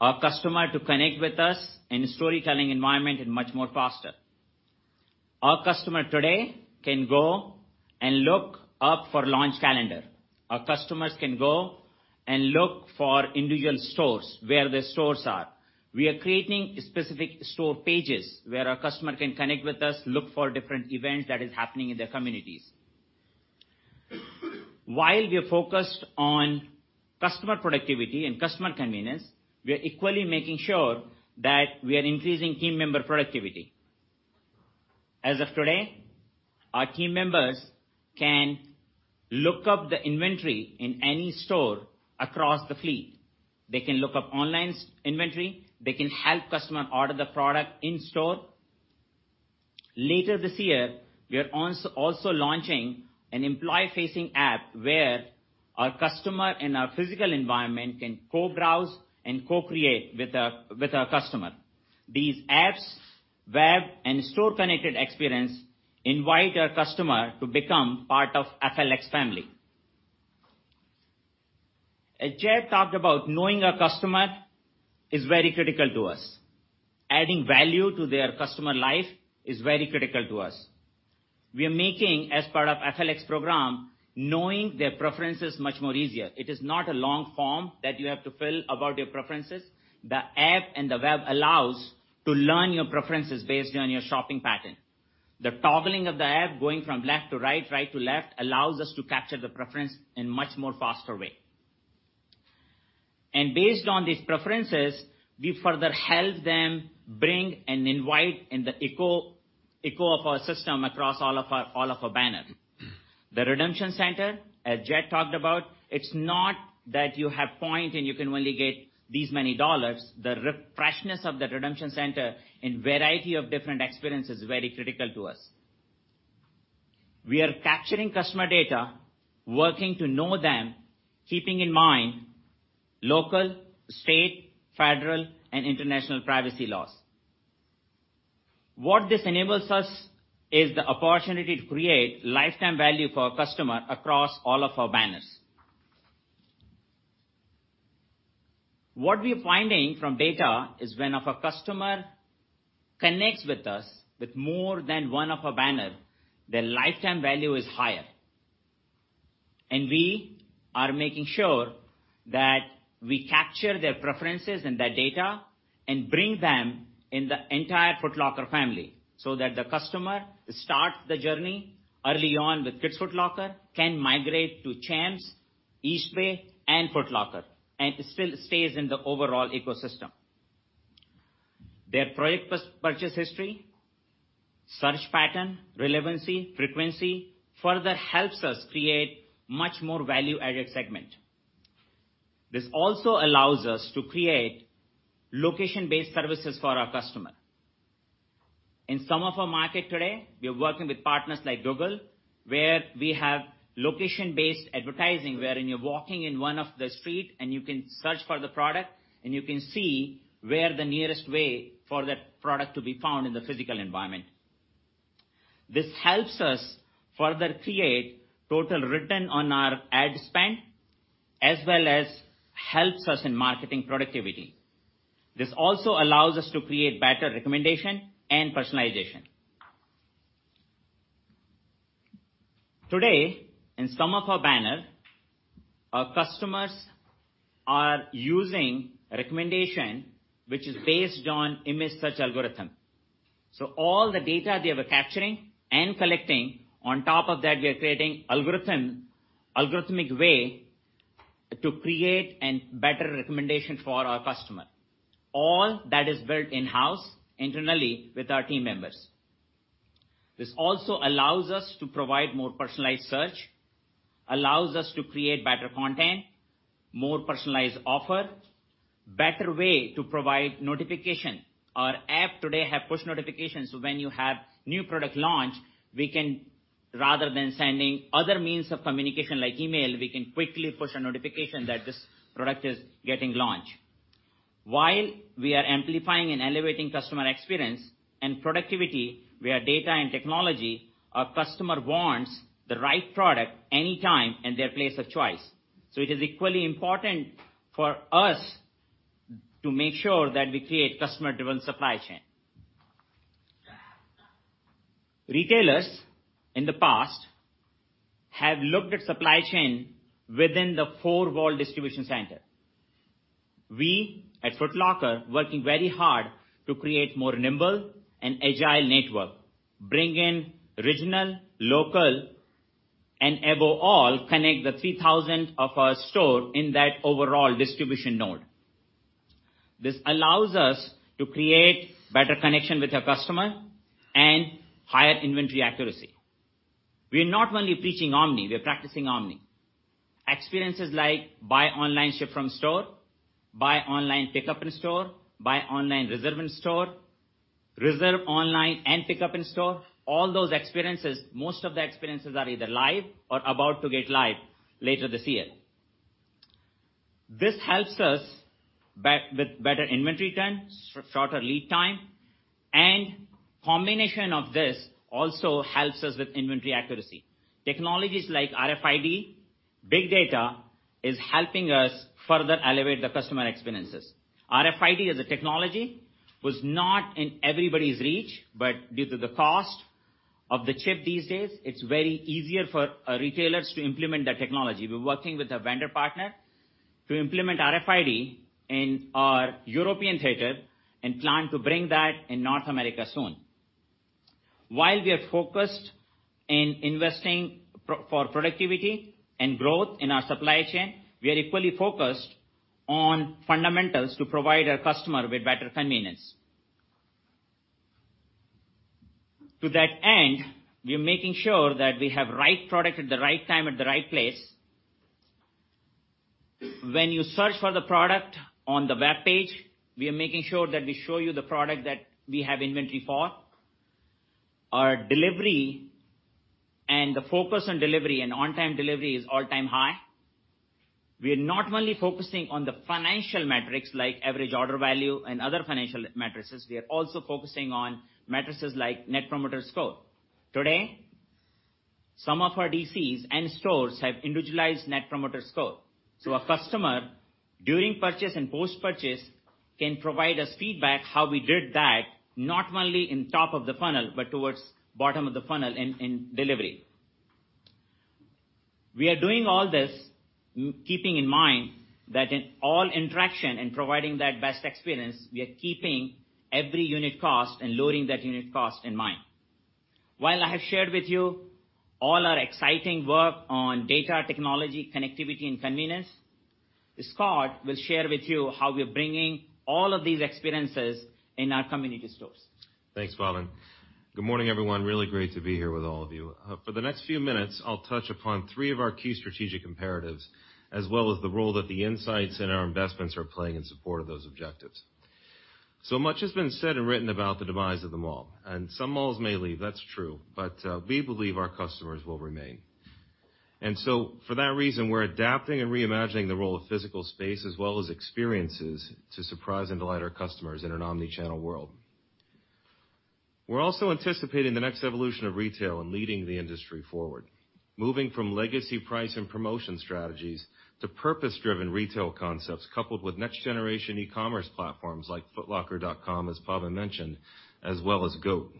our customer to connect with us in a storytelling environment and much more faster. Our customer today can go and look up for launch calendar. Our customers can go and look for individual stores, where the stores are. We are creating specific store pages where our customer can connect with us, look for different events that is happening in their communities. While we are focused on customer productivity and customer convenience, we are equally making sure that we are increasing team member productivity. As of today, our team members can look up the inventory in any store across the fleet. They can look up online inventory, they can help customer order the product in store. Later this year, we are also launching an employee-facing app where our customer in our physical environment can co-browse and co-create with our customer. These apps, web, and store-connected experience invite our customer to become part of FLX family. As Jed talked about, knowing our customer is very critical to us. Adding value to their customer life is very critical to us. We are making, as part of FLX program, knowing their preferences much more easier. It is not a long form that you have to fill about your preferences. The app and the web allows to learn your preferences based on your shopping pattern. The toggling of the app going from left to right to left allows us to capture the preference in much more faster way. Based on these preferences, we further help them bring and invite in the ecosystem across all of our banner. The redemption center, as Jed talked about, it's not that you have point and you can only get these many dollars. The refreshness of the redemption center in variety of different experience is very critical to us. We are capturing customer data, working to know them, keeping in mind local, state, federal, and international privacy laws. What this enables us is the opportunity to create lifetime value for our customer across all of our banners. What we are finding from data is when one of our customer connects with us with more than one of our banner, their lifetime value is higher. We are making sure that we capture their preferences and their data and bring them in the entire Foot Locker family, so that the customer starts the journey early on with Kids Foot Locker, can migrate to Champs, Eastbay and Foot Locker, and still stays in the overall ecosystem. Their product purchase history, search pattern, relevancy, frequency, further helps us create much more value-added segment. This also allows us to create location-based services for our customer. In some of our market today, we are working with partners like Google, where we have location-based advertising, wherein you're walking in one of the street and you can search for the product, and you can see where the nearest way for that product to be found in the physical environment. This helps us further create total return on our ad spend, as well as helps us in marketing productivity. This also allows us to create better recommendation and personalization. Today, in some of our banner, our customers are using recommendation which is based on image search algorithm. All the data we are capturing and collecting, on top of that, we are creating algorithmic way to create an better recommendation for our customer. All that is built in-house internally with our team members. This also allows us to provide more personalized search, allows us to create better content, more personalized offer, better way to provide notification. Our app today have push notifications, so when you have new product launch, rather than sending other means of communication like email, we can quickly push a notification that this product is getting launched. While we are amplifying and elevating customer experience and productivity via data and technology, our customer wants the right product anytime in their place of choice. It is equally important for us to make sure that we create customer-driven supply chain. Retailers, in the past, have looked at supply chain within the four-wall distribution center. We at Foot Locker working very hard to create more nimble and agile network, bring in regional, local, and above all, connect the 3,000 of our store in that overall distribution node. This allows us to create better connection with our customer and higher inventory accuracy. We are not only preaching omni, we are practicing omni. Experiences like buy online, ship from store, buy online, pickup in store, buy online, reserve in store, reserve online and pick up in store, all those experiences, most of the experiences are either live or about to get live later this year. This helps us with better inventory turn, shorter lead time, and combination of this also helps us with inventory accuracy. Technologies like RFID, big data is helping us further elevate the customer experiences. RFID as a technology was not in everybody's reach, but due to the cost of the chip these days, it's very easier for retailers to implement that technology. We're working with a vendor partner to implement RFID in our European theater and plan to bring that in North America soon. While we are focused in investing for productivity and growth in our supply chain, we are equally focused on fundamentals to provide our customer with better convenience. To that end, we are making sure that we have right product at the right time, at the right place. When you search for the product on the web page, we are making sure that we show you the product that we have inventory for. Our delivery and the focus on delivery and on-time delivery is all-time high. We are not only focusing on the financial metrics like average order value and other financial metrics, we are also focusing on metrics like net promoter score. Today, some of our DCs and stores have individualized net promoter score. A customer, during purchase and post-purchase, can provide us feedback how we did that, not only in top of the funnel, but towards bottom of the funnel in delivery. We are doing all this, keeping in mind that in all interaction and providing that best experience, we are keeping every unit cost and loading that unit cost in mind. While I have shared with you all our exciting work on data technology, connectivity, and convenience, Scott will share with you how we're bringing all of these experiences in our community stores. Thanks, Pawan. Good morning, everyone. Really great to be here with all of you. For the next few minutes, I'll touch upon three of our key strategic imperatives, as well as the role that the insights and our investments are playing in support of those objectives. Much has been said and written about the demise of the mall, some malls may leave, that's true, but we believe our customers will remain. For that reason, we're adapting and reimagining the role of physical space as well as experiences to surprise and delight our customers in an omni-channel world. We're also anticipating the next evolution of retail and leading the industry forward, moving from legacy price and promotion strategies to purpose-driven retail concepts, coupled with next-generation e-commerce platforms like footlocker.com, as Pawan mentioned, as well as GOAT.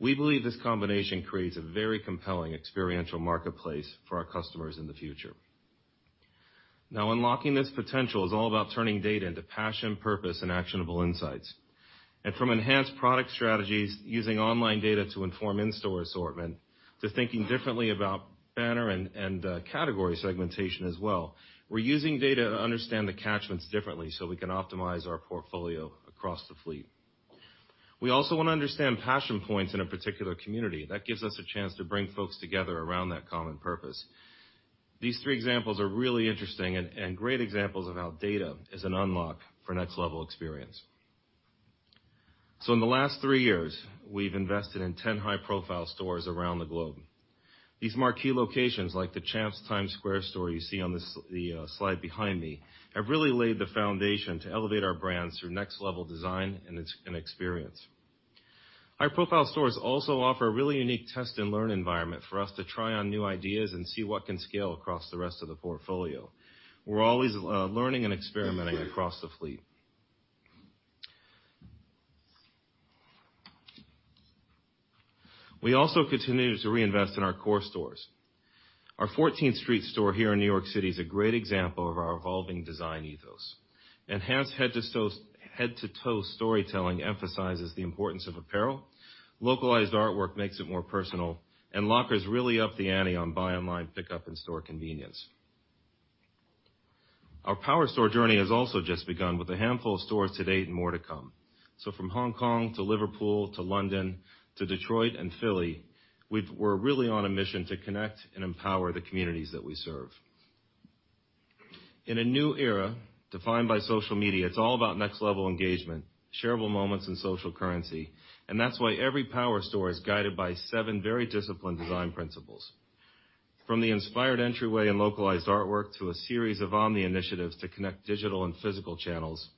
We believe this combination creates a very compelling experiential marketplace for our customers in the future. Now, unlocking this potential is all about turning data into passion, purpose, and actionable insights. From enhanced product strategies using online data to inform in-store assortment, to thinking differently about banner and category segmentation as well. We're using data to understand the catchments differently so we can optimize our portfolio across the fleet. We also want to understand passion points in a particular community. That gives us a chance to bring folks together around that common purpose. These three examples are really interesting and great examples of how data is an unlock for next-level experience. In the last three years, we've invested in 10 high-profile stores around the globe. These marquee locations, like the Champs Times Square store you see on the slide behind me, have really laid the foundation to elevate our brands through next-level design and experience. High-profile stores also offer a really unique test-and-learn environment for us to try on new ideas and see what can scale across the rest of the portfolio. We're always learning and experimenting across the fleet. We also continue to reinvest in our core stores. Our 14th Street store here in New York City is a great example of our evolving design ethos. Enhanced head-to-toe storytelling emphasizes the importance of apparel, localized artwork makes it more personal, and lockers really up the ante on buy online, pickup in store convenience. Our power store journey has also just begun with a handful of stores to date and more to come. From Hong Kong to Liverpool to London to Detroit and Philly, we're really on a mission to connect and empower the communities that we serve. In a new era defined by social media, it's all about next-level engagement, shareable moments, and social currency. That's why every power store is guided by seven very disciplined design principles. From the inspired entryway and localized artwork to a series of omni initiatives to connect digital and physical channels,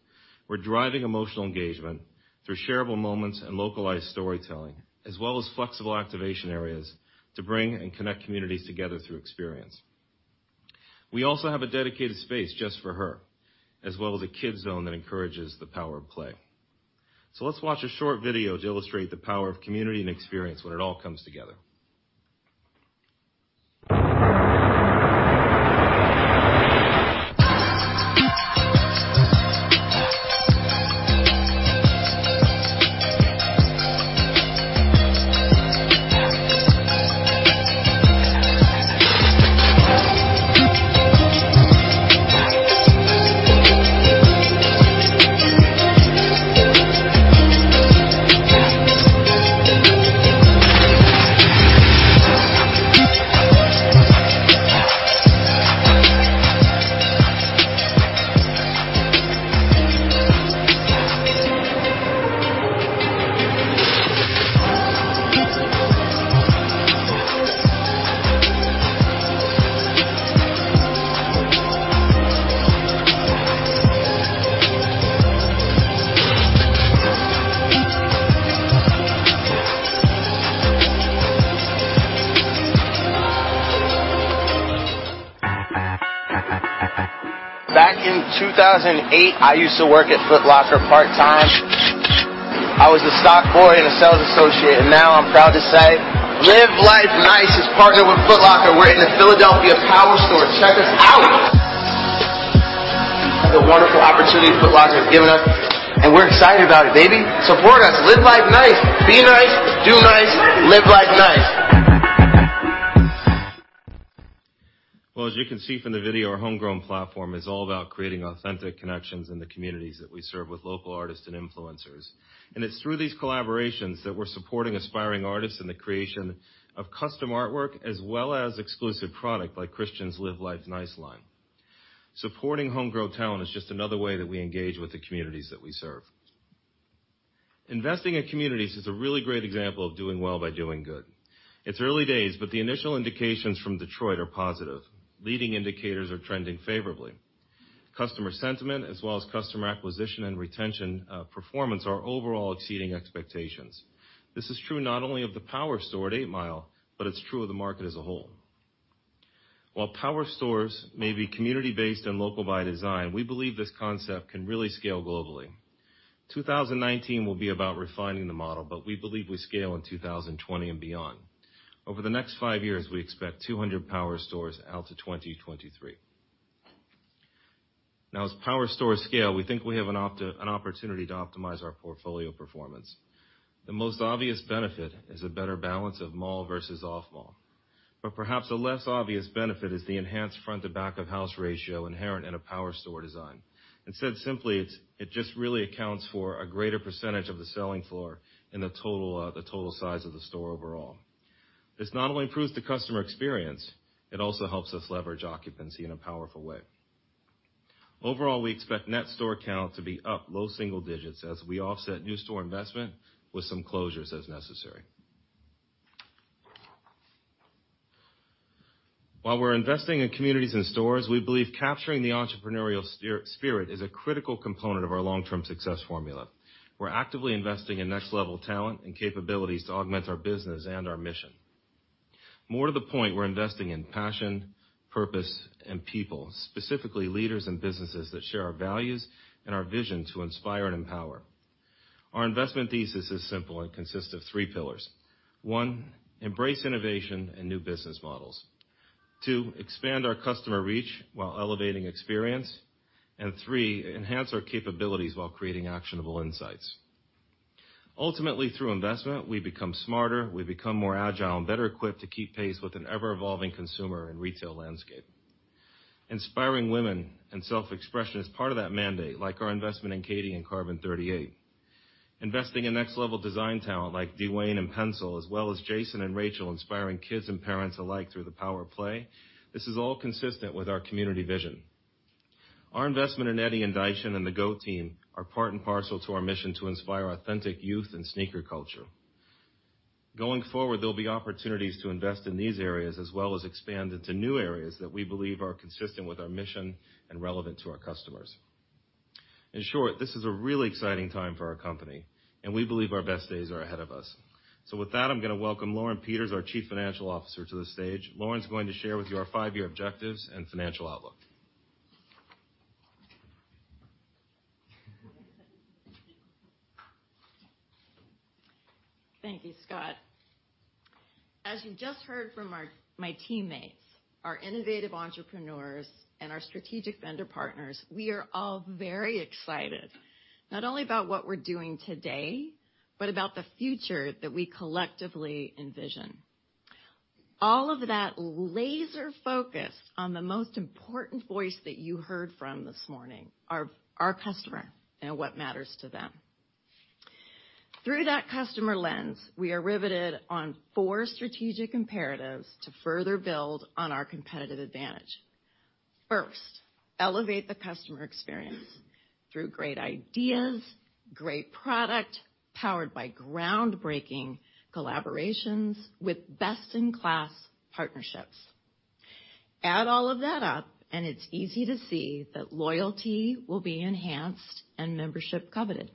we're driving emotional engagement through shareable moments and localized storytelling, as well as flexible activation areas to bring and connect communities together through experience. We also have a dedicated space just for her, as well as a kid zone that encourages the power of play. Let's watch a short video to illustrate the power of community and experience when it all comes together. Back in 2008, I used to work at Foot Locker part-time. I was a stock boy and a sales associate, and now I'm proud to say Live Life Nice is partnering with Foot Locker. We're in the Philadelphia power store. Check us out! Opportunity Foot Locker has given us, and we're excited about it, baby. Support us. Live Life Nice. Be nice. Do nice. Live Life Nice. Well, as you can see from the video, our homegrown platform is all about creating authentic connections in the communities that we serve with local artists and influencers. It's through these collaborations that we're supporting aspiring artists in the creation of custom artwork, as well as exclusive product, like Christian's Live Life Nice line. Supporting homegrown talent is just another way that we engage with the communities that we serve. Investing in communities is a really great example of doing well by doing good. It's early days, but the initial indications from Detroit are positive. Leading indicators are trending favorably. Customer sentiment as well as customer acquisition and retention performance are overall exceeding expectations. This is true not only of the power store at 8 Mile, but it's true of the market as a whole. While power stores may be community-based and local by design, we believe this concept can really scale globally. 2019 will be about refining the model, but we believe we scale in 2020 and beyond. Over the next five years, we expect 200 power stores out to 2023. Now, as power stores scale, we think we have an opportunity to optimize our portfolio performance. The most obvious benefit is a better balance of mall versus off-mall. Perhaps a less obvious benefit is the enhanced front to back of house ratio inherent in a power store design. Said simply, it just really accounts for a greater percentage of the selling floor in the total size of the store overall. This not only improves the customer experience, it also helps us leverage occupancy in a powerful way. Overall, we expect net store count to be up low single digits as we offset new store investment with some closures as necessary. While we are investing in communities and stores, we believe capturing the entrepreneurial spirit is a critical component of our long-term success formula. We are actively investing in next-level talent and capabilities to augment our business and our mission. More to the point, we are investing in passion, purpose, and people, specifically leaders and businesses that share our values and our vision to inspire and empower. Our investment thesis is simple and consists of three pillars. One, embrace innovation and new business models. Two, expand our customer reach while elevating experience. Three, enhance our capabilities while creating actionable insights. Ultimately, through investment, we become smarter, we become more agile and better equipped to keep pace with an ever-evolving consumer and retail landscape. Inspiring women and self-expression is part of that mandate, like our investment in Katie and Carbon38. Investing in next-level design talent like D'Wayne and PENSOLE, as well as Jason and Rachel, inspiring kids and parents alike through the power of play. This is all consistent with our community vision. Our investment in Eddy and Daishin and the GOAT Team are part and parcel to our mission to inspire authentic youth and sneaker culture. Going forward, there will be opportunities to invest in these areas as well as expand into new areas that we believe are consistent with our mission and relevant to our customers. In short, this is a really exciting time for our company, and we believe our best days are ahead of us. With that, I am going to welcome Lauren Peters, our Chief Financial Officer, to the stage. Lauren is going to share with you our five-year objectives and financial outlook. Thank you, Scott. As you just heard from my teammates, our innovative entrepreneurs and our strategic vendor partners, we are all very excited, not only about what we're doing today, but about the future that we collectively envision. All of that laser-focused on the most important voice that you heard from this morning, our customer and what matters to them. Through that customer lens, we are riveted on 4 strategic imperatives to further build on our competitive advantage. First, elevate the customer experience through great ideas, great product, powered by groundbreaking collaborations with best-in-class partnerships. Add all of that up, it's easy to see that loyalty will be enhanced and membership coveted.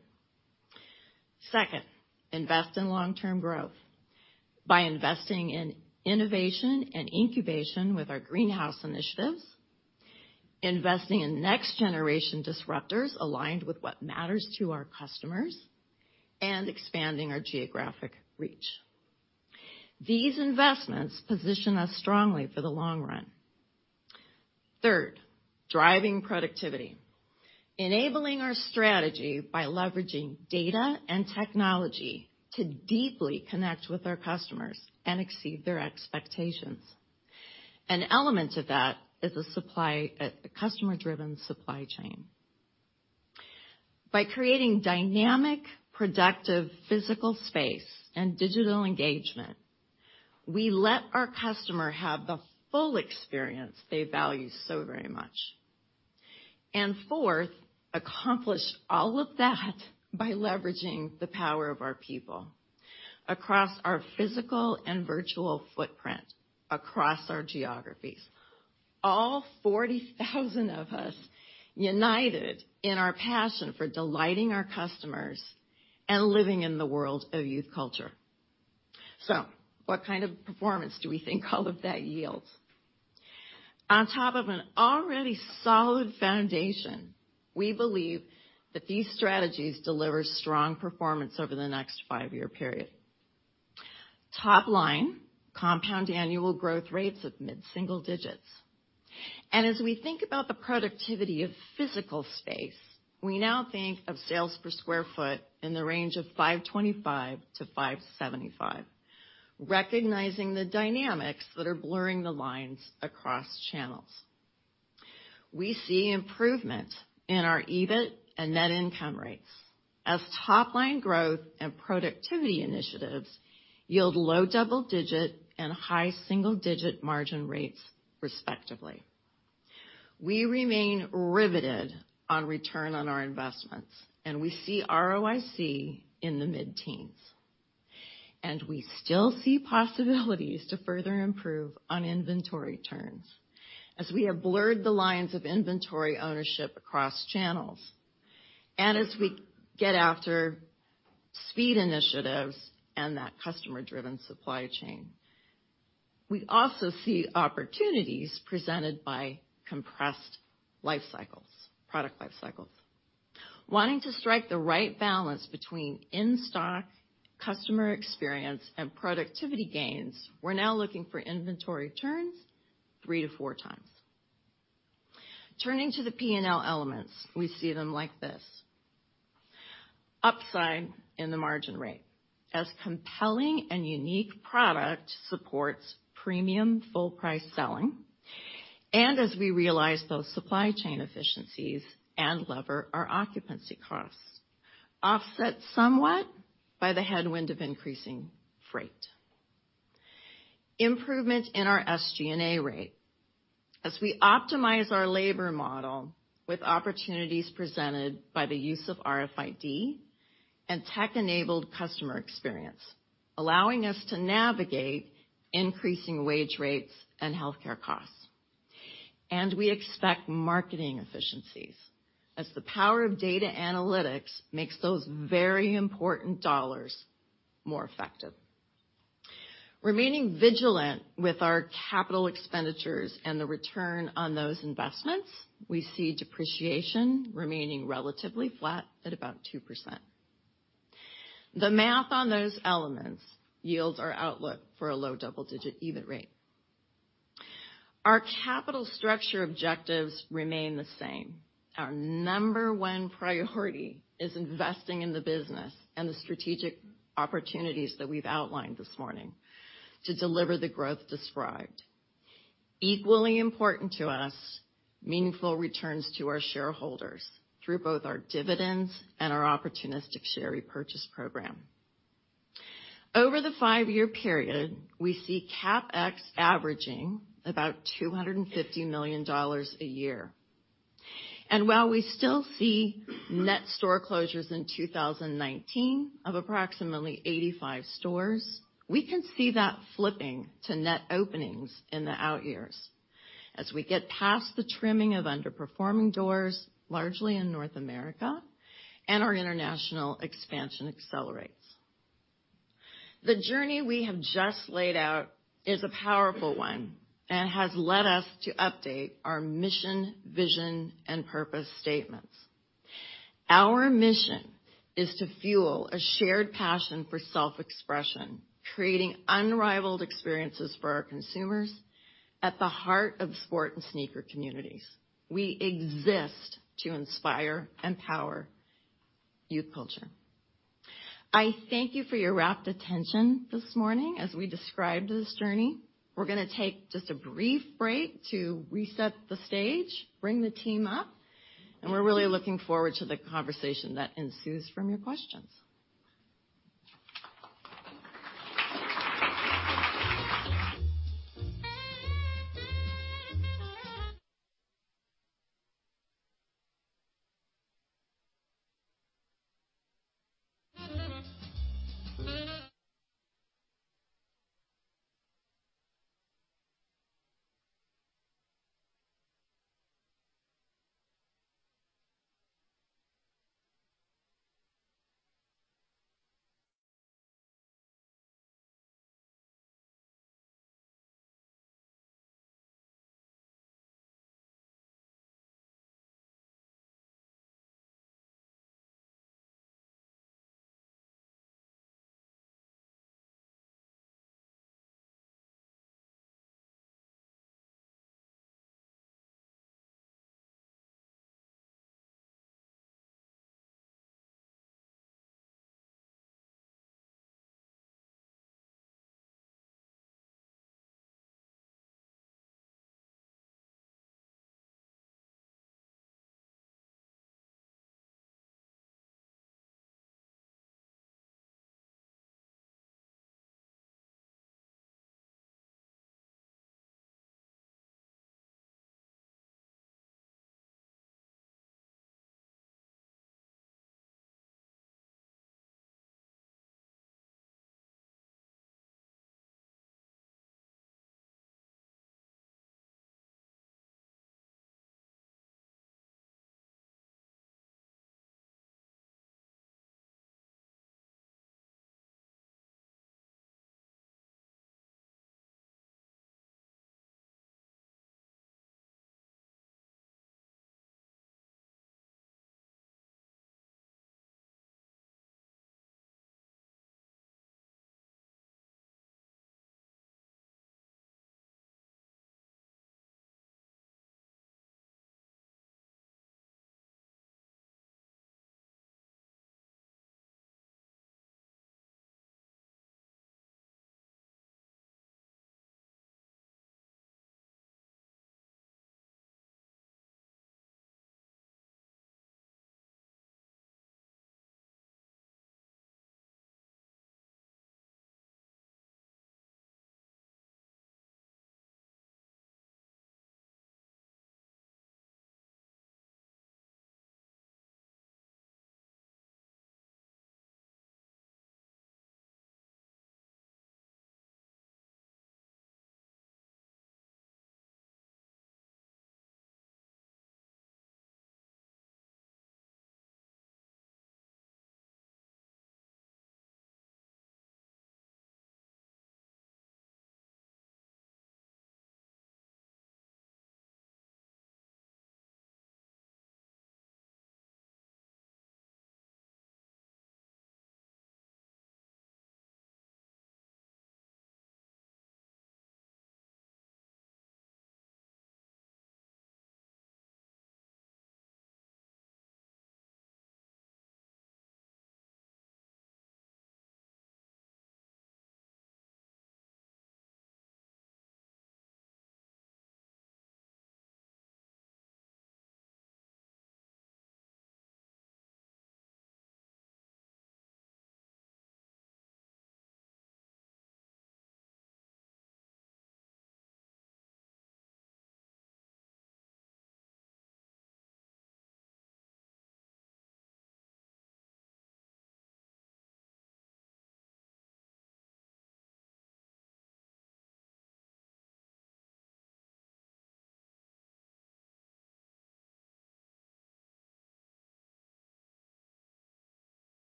Second, invest in long-term growth by investing in innovation and incubation with our Greenhouse initiatives, investing in next generation disruptors aligned with what matters to our customers, and expanding our geographic reach. These investments position us strongly for the long run. Third, driving productivity. Enabling our strategy by leveraging data and technology to deeply connect with our customers and exceed their expectations. An element of that is a customer-driven supply chain. By creating dynamic, productive physical space and digital engagement, we let our customer have the full experience they value so very much. Fourth, accomplish all of that by leveraging the power of our people across our physical and virtual footprint, across our geographies. All 40,000 of us united in our passion for delighting our customers and living in the world of youth culture. What kind of performance do we think all of that yields? On top of an already solid foundation, we believe that these strategies deliver strong performance over the next 5-year period. Top line compound annual growth rates of mid-single digits. As we think about the productivity of physical space, we now think of sales per square foot in the range of $525-$575, recognizing the dynamics that are blurring the lines across channels. We see improvement in our EBIT and net income rates as top-line growth and productivity initiatives yield low double-digit and high single-digit margin rates respectively. We remain riveted on return on our investments, we see ROIC in the mid-teens. We still see possibilities to further improve on inventory turns as we have blurred the lines of inventory ownership across channels and as we get after speed initiatives and that customer-driven supply chain. We also see opportunities presented by compressed product life cycles. Wanting to strike the right balance between in-stock customer experience and productivity gains, we're now looking for inventory turns 3 to 4 times. Turning to the P&L elements, we see them like this. Upside in the margin rate as compelling and unique product supports premium full-price selling, and as we realize those supply chain efficiencies and lever our occupancy costs, offset somewhat by the headwind of increasing freight. Improvement in our SG&A rate as we optimize our labor model with opportunities presented by the use of RFID and tech-enabled customer experience, allowing us to navigate increasing wage rates and healthcare costs. We expect marketing efficiencies as the power of data analytics makes those very important dollars more effective. Remaining vigilant with our capital expenditures and the return on those investments, we see depreciation remaining relatively flat at about 2%. The math on those elements yields our outlook for a low double-digit EBIT rate. Our capital structure objectives remain the same. Our number 1 priority is investing in the business and the strategic opportunities that we've outlined this morning to deliver the growth described. Equally important to us, meaningful returns to our shareholders through both our dividends and our opportunistic share repurchase program. Over the 5-year period, we see CapEx averaging about $250 million a year. While we still see net store closures in 2019 of approximately 85 stores, we can see that flipping to net openings in the out years as we get past the trimming of underperforming doors, largely in North America, and our international expansion accelerates. The journey we have just laid out is a powerful one and has led us to update our mission, vision, and purpose statements. Our mission is to fuel a shared passion for self-expression, creating unrivaled experiences for our consumers at the heart of sport and sneaker communities. We exist to inspire and power youth culture. I thank you for your rapt attention this morning as we described this journey. We're going to take just a brief break to reset the stage, bring the team up, we're really looking forward to the conversation that ensues from your questions.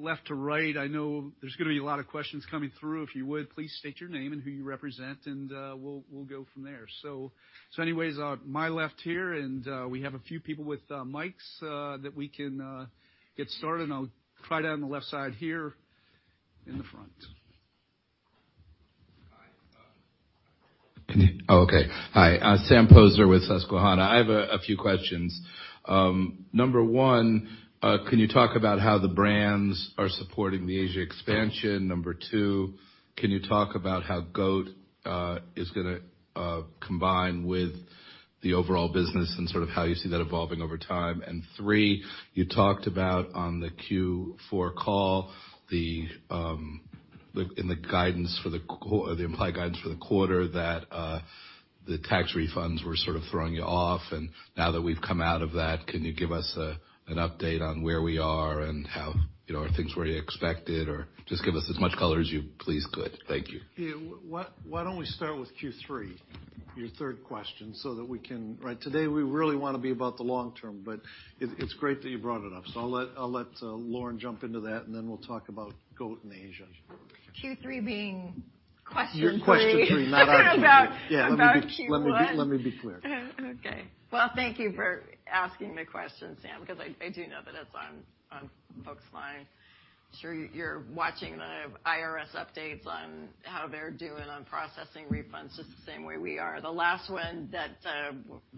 Left to right, I know there's going to be a lot of questions coming through. If you would, please state your name and who you represent, we'll go from there. Anyways, my left here, we have a few people with mics that we can get started, I'll try down the left side here in the front. Hi. Okay. Hi, Sam Poser with Susquehanna. I have a few questions. Number one, can you talk about how the brands are supporting the Asia expansion? Number two, can you talk about how GOAT is going to combine with the overall business and how you see that evolving over time? Three, you talked about on the Q4 call, in the implied guidance for the quarter, that the tax refunds were sort of throwing you off. Now that we've come out of that, can you give us an update on where we are, and are things where you expected? Just give us as much color as you please could. Thank you. Yeah. Why don't we start with Q3, your third question. Today, we really want to be about the long term, but it's great that you brought it up. I'll let Lauren jump into that, and then we'll talk about GOAT in Asia. Q3 being question three. Question three. About Q1. Let me be clear. Okay. Well, thank you for asking the question, Sam, because I do know that it's on folks' minds. Sure you're watching the IRS updates on how they're doing on processing refunds, just the same way we are. The last one that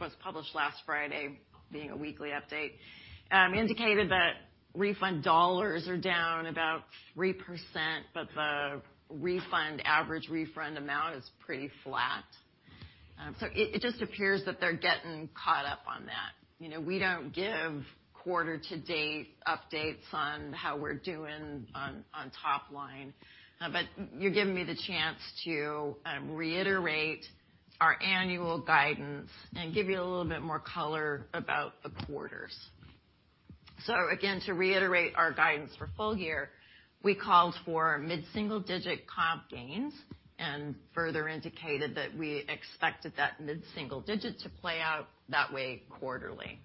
was published last Friday, being a weekly update, indicated that refund dollars are down about 3%, but the average refund amount is pretty flat. It just appears that they're getting caught up on that. We don't give quarter to date updates on how we're doing on top line. You're giving me the chance to reiterate our annual guidance and give you a little bit more color about the quarters. Again, to reiterate our guidance for full year, we called for mid-single-digit comp gains and further indicated that we expected that mid-single digit to play out that way quarterly.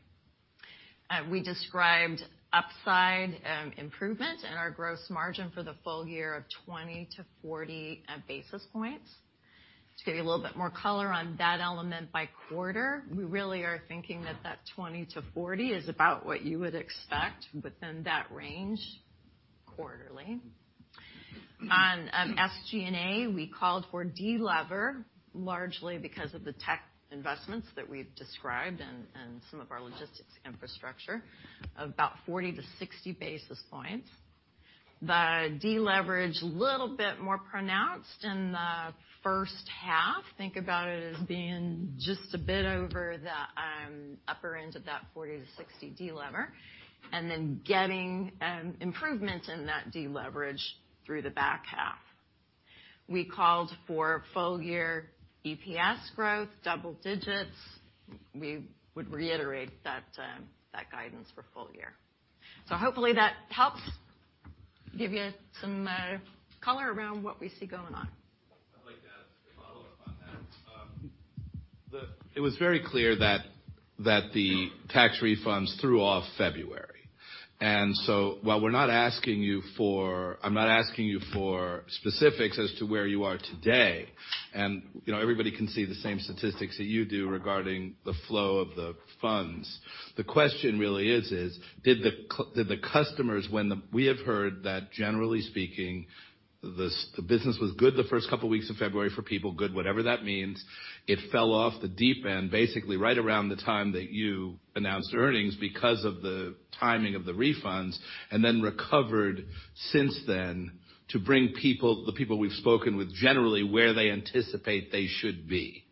We described upside improvement in our gross margin for the full year of 20-40 basis points. To give you a little bit more color on that element by quarter, we really are thinking that that 20-40 is about what you would expect within that range quarterly. On SG&A, we called for de-lever, largely because of the tech investments that we've described and some of our logistics infrastructure of about 40-60 basis points. The de-leverage, little bit more pronounced in the first half. Think about it as being just a bit over the upper end of that 40-60 de-lever, and then getting improvement in that de-leverage through the back half. We called for full year EPS growth, double digits. We would reiterate that guidance for full year. Hopefully that helps give you some color around what we see going on. I'd like to ask a follow-up on that. It was very clear that the tax refunds threw off February. While I'm not asking you for specifics as to where you are today, and everybody can see the same statistics that you do regarding the flow of the funds. The question really is, we have heard that generally speaking, the business was good the first couple of weeks of February for people, good, whatever that means. It fell off the deep end, basically right around the time that you announced earnings because of the timing of the refunds, and then recovered since then to bring the people we've spoken with generally where they anticipate they should be.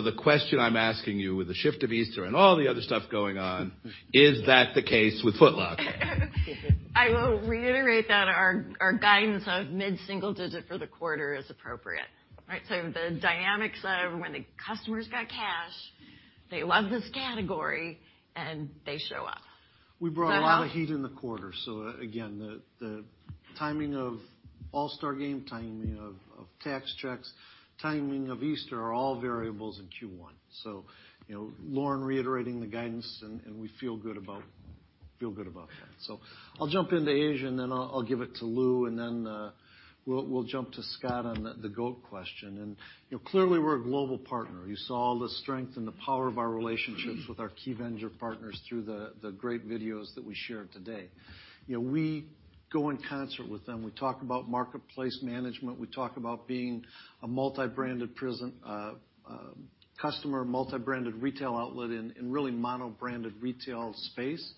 The question I'm asking you, with the shift of Easter and all the other stuff going on, is that the case with Foot Locker? I will reiterate that our guidance of mid-single digit for the quarter is appropriate. The dynamics of when the customers got cash, they love this category, and they show up. Go ahead. We brought a lot of heat in the quarter. Again, the timing of All-Star Game, timing of tax checks, timing of Easter are all variables in Q1. Lauren reiterating the guidance, and we feel good about that. I'll jump into Asia, then I'll give it to Lou, then we'll jump to Scott on the GOAT question. Clearly, we're a global partner. You saw all the strength and the power of our relationships with our key vendor partners through the great videos that we shared today. We go in concert with them. We talk about marketplace management. We talk about being a customer multi-branded retail outlet in really mono-branded retail space.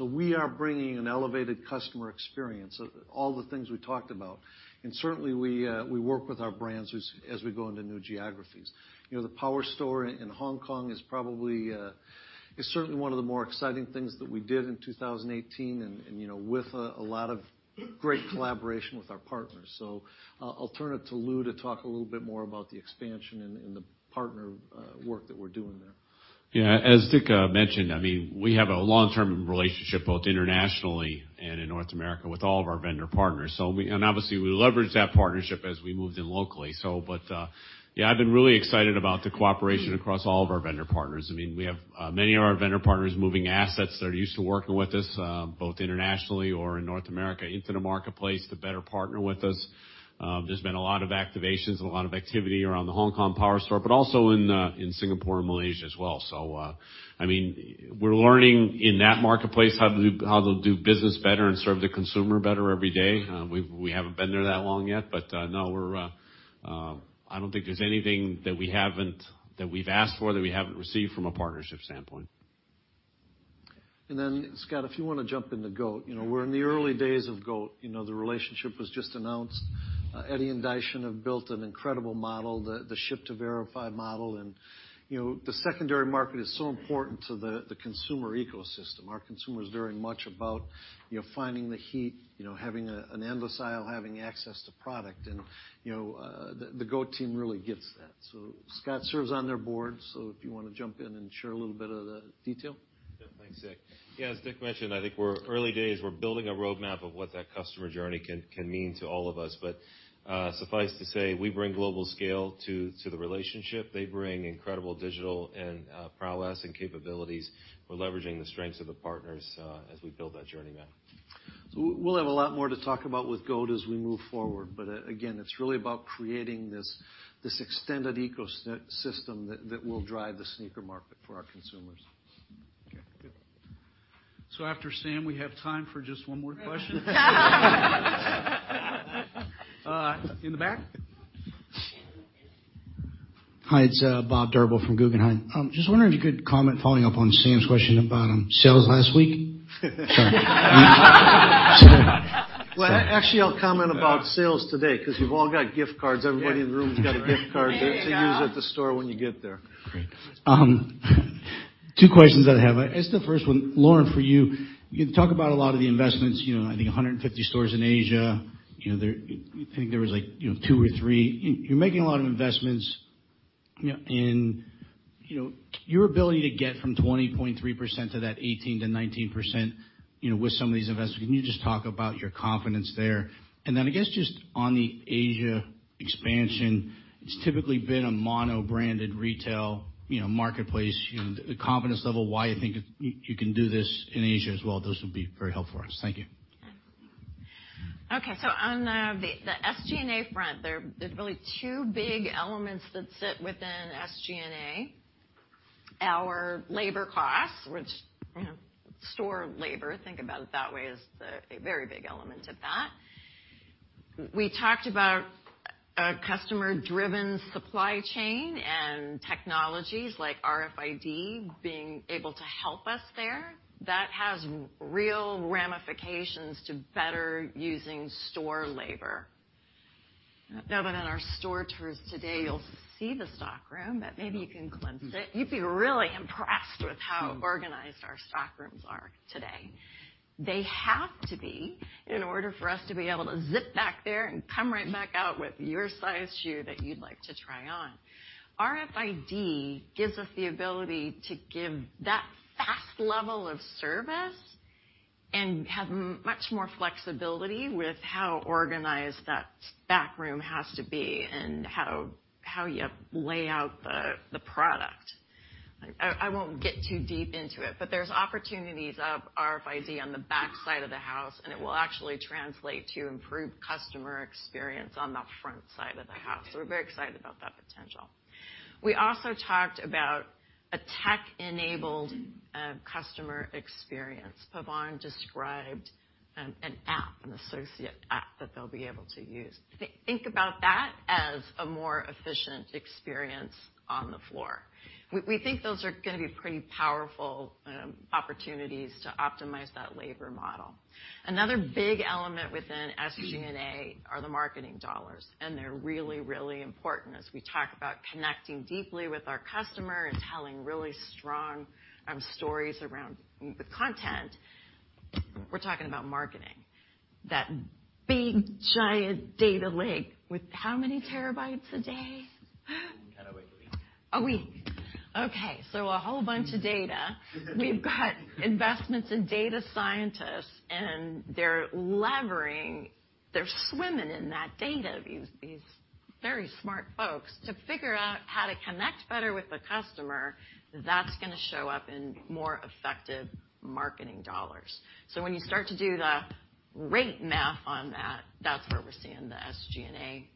We are bringing an elevated customer experience, all the things we talked about. Certainly, we work with our brands as we go into new geographies. The power store in Hong Kong is certainly one of the more exciting things that we did in 2018, with a lot of great collaboration with our partners. I'll turn it to Lou to talk a little bit more about the expansion and the partner work that we're doing there. As Dick mentioned, we have a long-term relationship, both internationally and in North America with all of our vendor partners. Obviously, we leveraged that partnership as we moved in locally. I've been really excited about the cooperation across all of our vendor partners. We have many of our vendor partners moving assets that are used to working with us, both internationally or in North America, into the marketplace to better partner with us. There's been a lot of activations and a lot of activity around the Hong Kong power store, but also in Singapore and Malaysia as well. We're learning in that marketplace how they'll do business better and serve the consumer better every day. No, I don't think there's anything that we've asked for that we haven't received from a partnership standpoint. Scott, if you want to jump into GOAT. We're in the early days of GOAT. The relationship was just announced. Eddy and Daishin have built an incredible model, the ship to verified model, and the secondary market is so important to the consumer ecosystem. Our consumer's very much about finding the heat, having an endless aisle, having access to product. The GOAT team really gets that. Scott serves on their board. If you want to jump in and share a little bit of the detail. Thanks, Dick. As Dick mentioned, I think we're early days. We're building a roadmap of what that customer journey can mean to all of us. Suffice to say, we bring global scale to the relationship. They bring incredible digital and prowess and capabilities. We're leveraging the strengths of the partners as we build that journey map. We'll have a lot more to talk about with GOAT as we move forward. Again, it's really about creating this extended ecosystem that will drive the sneaker market for our consumers. Okay, good. After Sam, we have time for just one more question. In the back. Hi, it's Bob Drbul from Guggenheim. I'm just wondering if you could comment following up on Sam's question about sales last week. Sorry. Well, actually, I'll comment about sales today because you've all got gift cards. Everybody in the room has got a gift card to use at the store when you get there. Great. Two questions that I have. I guess the first one, Lauren, for you. You talk about a lot of the investments, I think 150 stores in Asia. I think there was two or three. You're making a lot of investments. Your ability to get from 20.3% to that 18%-19% with some of these investments, can you just talk about your confidence there? I guess just on the Asia expansion, it's typically been a mono-branded retail marketplace. The confidence level, why you think you can do this in Asia as well. Those would be very helpful for us. Thank you. Okay. On the SGA front there's really two big elements that sit within SGA. Our labor costs, which store labor, think about it that way, is a very big element of that. We talked about a customer-driven supply chain and technologies like RFID being able to help us there. That has real ramifications to better using store labor. Now that in our store tours today, you'll see the stockroom, but maybe you can glimpse it. You'd be really impressed with how organized our stockrooms are today. They have to be in order for us to be able to zip back there and come right back out with your size shoe that you'd like to try on. RFID gives us the ability to give that fast level of service and have much more flexibility with how organized that back room has to be and how you lay out the product. I won't get too deep into it, but there's opportunities of RFID on the back side of the house, it will actually translate to improved customer experience on the front side of the house. We're very excited about that potential. We also talked about a tech-enabled customer experience. Pawan described an app, an associate app that they'll be able to use. Think about that as a more efficient experience on the floor. We think those are going to be pretty powerful opportunities to optimize that labor model. Another big element within SG&A are the marketing dollars, and they're really, really important as we talk about connecting deeply with our customer and telling really strong stories around the content. We're talking about marketing. That big giant data lake with how many terabytes a day? Terabyte a week. A week. Okay. A whole bunch of data. We've got investments in data scientists. They're swimming in that data, these very smart folks, to figure out how to connect better with the customer. That's going to show up in more effective marketing dollars. When you start to do the rate math on that's where we're seeing the SG&A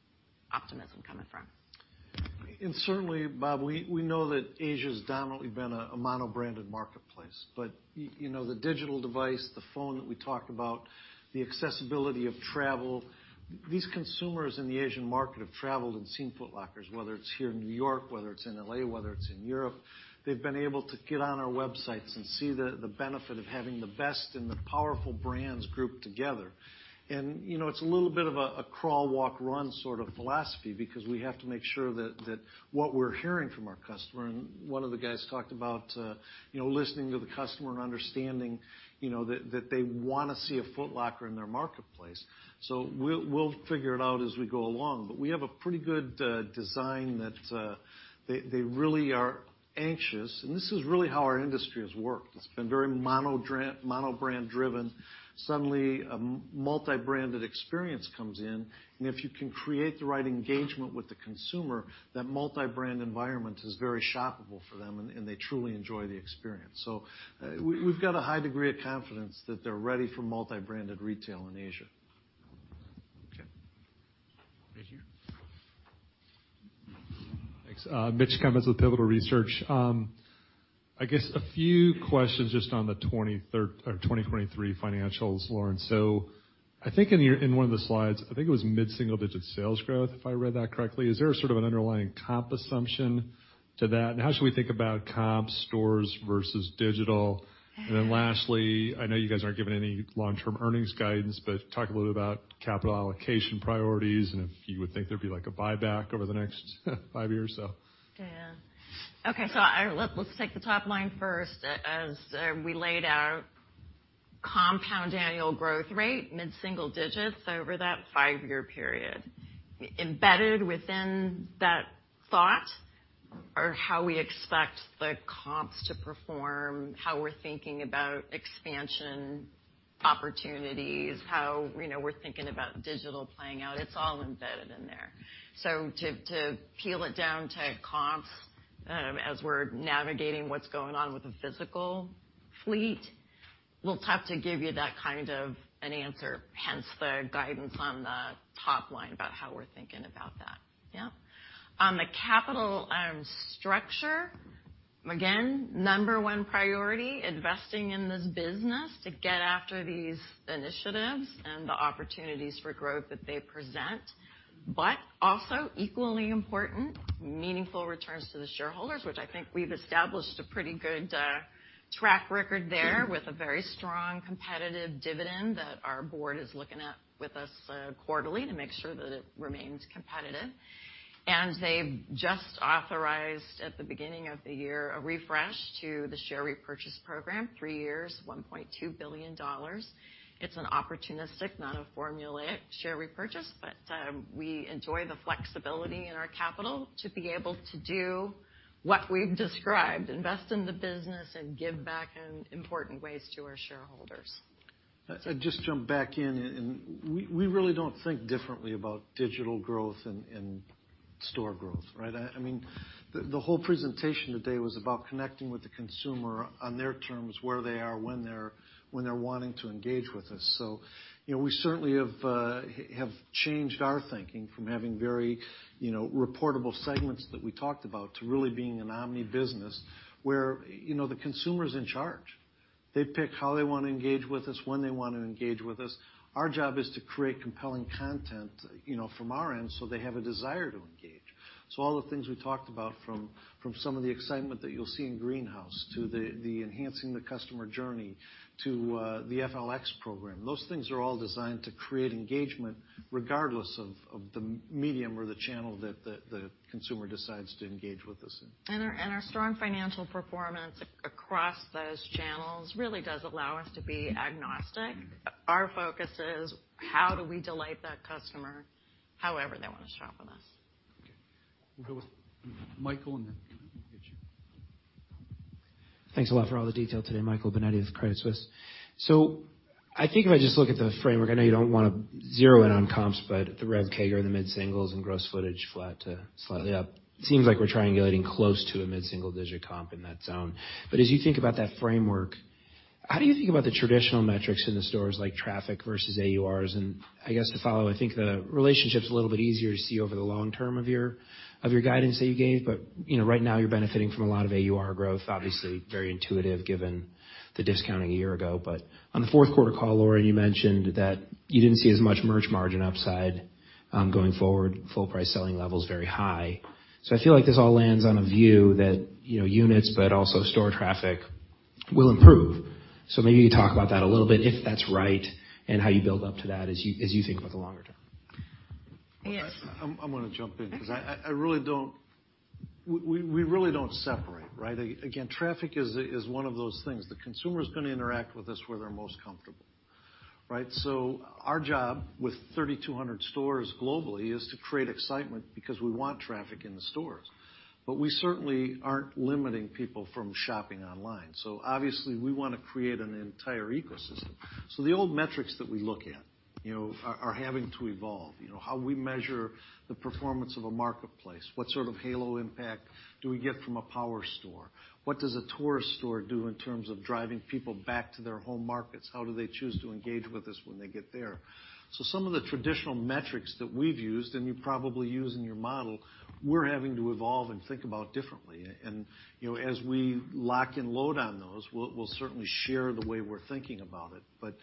optimism coming from. Certainly, Bob, we know that Asia's dominantly been a mono-branded marketplace. The digital device, the phone that we talked about, the accessibility of travel. These consumers in the Asian market have traveled and seen Foot Lockers, whether it's here in New York, whether it's in L.A., whether it's in Europe. They've been able to get on our websites and see the benefit of having the best and the powerful brands grouped together. It's a little bit of a crawl, walk, run sort of philosophy because we have to make sure that what we're hearing from our customer, and one of the guys talked about listening to the customer and understanding that they want to see a Foot Locker in their marketplace. We'll figure it out as we go along. We have a pretty good design that they really are anxious. This is really how our industry has worked. It's been very mono-brand driven. Suddenly, a multi-branded experience comes in, and if you can create the right engagement with the consumer, that multi-brand environment is very shoppable for them, and they truly enjoy the experience. We've got a high degree of confidence that they're ready for multi-branded retail in Asia. Okay. Right here. Thanks. Mitch Kummetz with Pivotal Research Group. I guess a few questions just on the 2023 financials, Lauren. I think in one of the slides, I think it was mid-single-digit sales growth, if I read that correctly. Is there a sort of an underlying comp assumption to that? How should we think about comp stores versus digital? Lastly, I know you guys aren't giving any long-term earnings guidance, but talk a little about capital allocation priorities and if you would think there'd be a buyback over the next five years or so. Yeah. Okay. Let's take the top line first. As we laid out compound annual growth rate, mid-single digits over that five-year period. Embedded within that thought are how we expect the comps to perform, how we're thinking about expansion opportunities, how we're thinking about digital playing out. It's all embedded in there. To peel it down to comps as we're navigating what's going on with the physical fleet. We'll have to give you that kind of an answer, hence the guidance on the top line about how we're thinking about that. On the capital structure, again, number one priority, investing in this business to get after these initiatives and the opportunities for growth that they present, also equally important, meaningful returns to the shareholders, which I think we've established a pretty good track record there with a very strong competitive dividend that our board is looking at with us quarterly to make sure that it remains competitive. They've just authorized at the beginning of the year, a refresh to the share repurchase program, three years, $1.2 billion. It's an opportunistic, not a formulaic share repurchase, we enjoy the flexibility in our capital to be able to do what we've described, invest in the business and give back in important ways to our shareholders. I'd just jump back in. We really don't think differently about digital growth and store growth, right? The whole presentation today was about connecting with the consumer on their terms, where they are, when they're wanting to engage with us. We certainly have changed our thinking from having very reportable segments that we talked about to really being an omni business where the consumer's in charge. They pick how they want to engage with us, when they want to engage with us. Our job is to create compelling content from our end so they have a desire to engage. All the things we talked about from some of the excitement that you'll see in Greenhouse to the enhancing the customer journey to the FLX program, those things are all designed to create engagement regardless of the medium or the channel that the consumer decides to engage with us in. Our strong financial performance across those channels really does allow us to be agnostic. Our focus is how do we delight that customer however they want to shop with us. Okay. We'll go with Michael. Then we'll get you. Thanks a lot for all the detail today, Michael Binetti with Credit Suisse. I think if I just look at the framework, I know you don't want to zero in on comps, but the rev CAGR in the mid-singles and gross footage flat to slightly up. Seems like we're triangulating close to a mid-single digit comp in that zone. As you think about that framework, how do you think about the traditional metrics in the stores like traffic versus AURs? I guess to follow, I think the relationship's a little bit easier to see over the long term of your guidance that you gave, but right now you're benefiting from a lot of AUR growth, obviously very intuitive given the discounting a year ago. On the fourth quarter call, Lauren, you mentioned that you didn't see as much merch margin upside going forward, full price selling level's very high. I feel like this all lands on a view that units, but also store traffic will improve. Maybe you talk about that a little bit, if that's right, and how you build up to that as you think about the longer term. Yes. I'm going to jump in because we really don't separate, right? Again, traffic is one of those things. The consumer's going to interact with us where they're most comfortable, right? Our job with 3,200 stores globally is to create excitement because we want traffic in the stores. We certainly aren't limiting people from shopping online. Obviously, we want to create an entire ecosystem. The old metrics that we look at are having to evolve. How we measure the performance of a marketplace, what sort of halo impact do we get from a power store? What does a tourist store do in terms of driving people back to their home markets? How do they choose to engage with us when they get there? Some of the traditional metrics that we've used, and you probably use in your model, we're having to evolve and think about differently. As we lock and load on those, we'll certainly share the way we're thinking about it.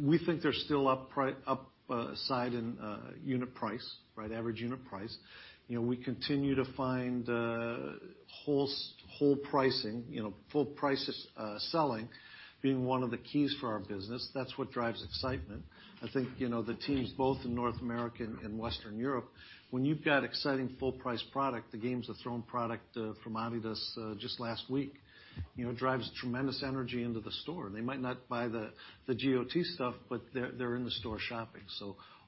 We think there's still upside in unit price, average unit price. We continue to find whole pricing, full price selling being one of the keys for our business. That's what drives excitement. I think, the teams both in North America and Western Europe, when you've got exciting full price product, the Game of Thrones product from Adidas just last week, drives tremendous energy into the store. They might not buy the GoT stuff, but they're in the store shopping.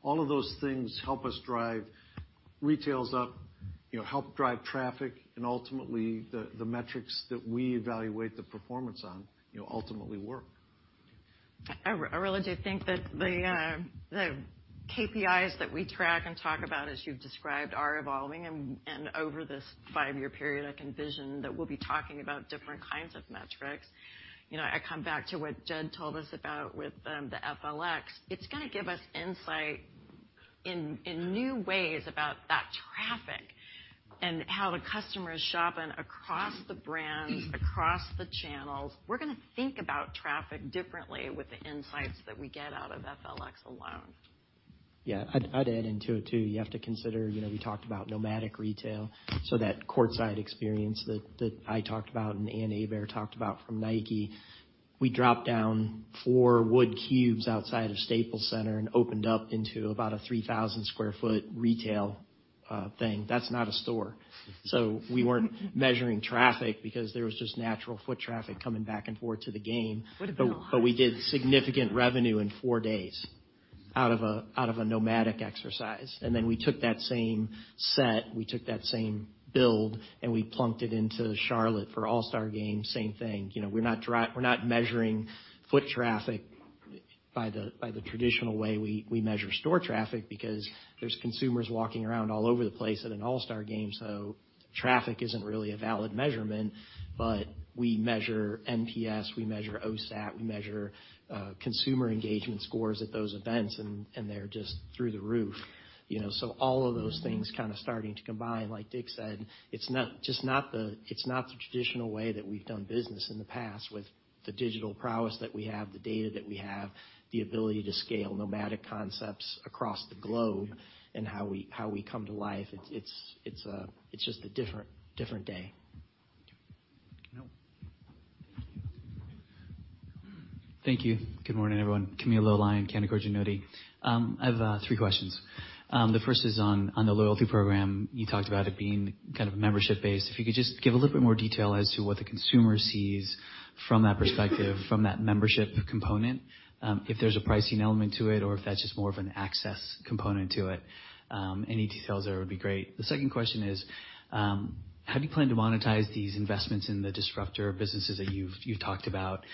All of those things help us drive retails up, help drive traffic, and ultimately, the metrics that we evaluate the performance on, ultimately work. I really do think that the KPIs that we track and talk about as you've described, are evolving and over this five-year period, I can vision that we'll be talking about different kinds of metrics. I come back to what Jed told us about with the FLX. It's going to give us insight in new ways about that traffic and how the customer's shopping across the brands, across the channels. We're going to think about traffic differently with the insights that we get out of FLX alone. Yeah, I'd add into it too. You have to consider, we talked about nomadic retail, that courtside experience that I talked about and Ann Hebert talked about from Nike, we dropped down four wood cubes outside of Staples Center and opened up into about a 3,000 sq ft retail thing. That's not a store. We weren't measuring traffic because there was just natural foot traffic coming back and forth to the game. Would have been a lot. We did significant revenue in four days out of a nomadic exercise. We took that same set, we took that same build, and we plunked it into Charlotte for All-Star Game, same thing. We're not measuring foot traffic by the traditional way we measure store traffic because there's consumers walking around all over the place at an All-Star Game, traffic isn't really a valid measurement. We measure NPS, we measure OSAT, we measure consumer engagement scores at those events, and they're just through the roof. All of those things starting to combine. Like Dick said, it's not the traditional way that we've done business in the past with the digital prowess that we have, the data that we have, the ability to scale nomadic concepts across the globe and how we come to life. It's just a different day. Camilo. Thank you. Good morning, everyone. Camilo Lyon, Canaccord Genuity. I have three questions. The first is on the loyalty program. You talked about it being kind of membership-based. If you could just give a little bit more detail as to what the consumer sees from that perspective, from that membership component, if there's a pricing element to it or if that's just more of an access component to it. Any details there would be great. The second question is, how do you plan to monetize these investments in the disruptor businesses that you've talked about,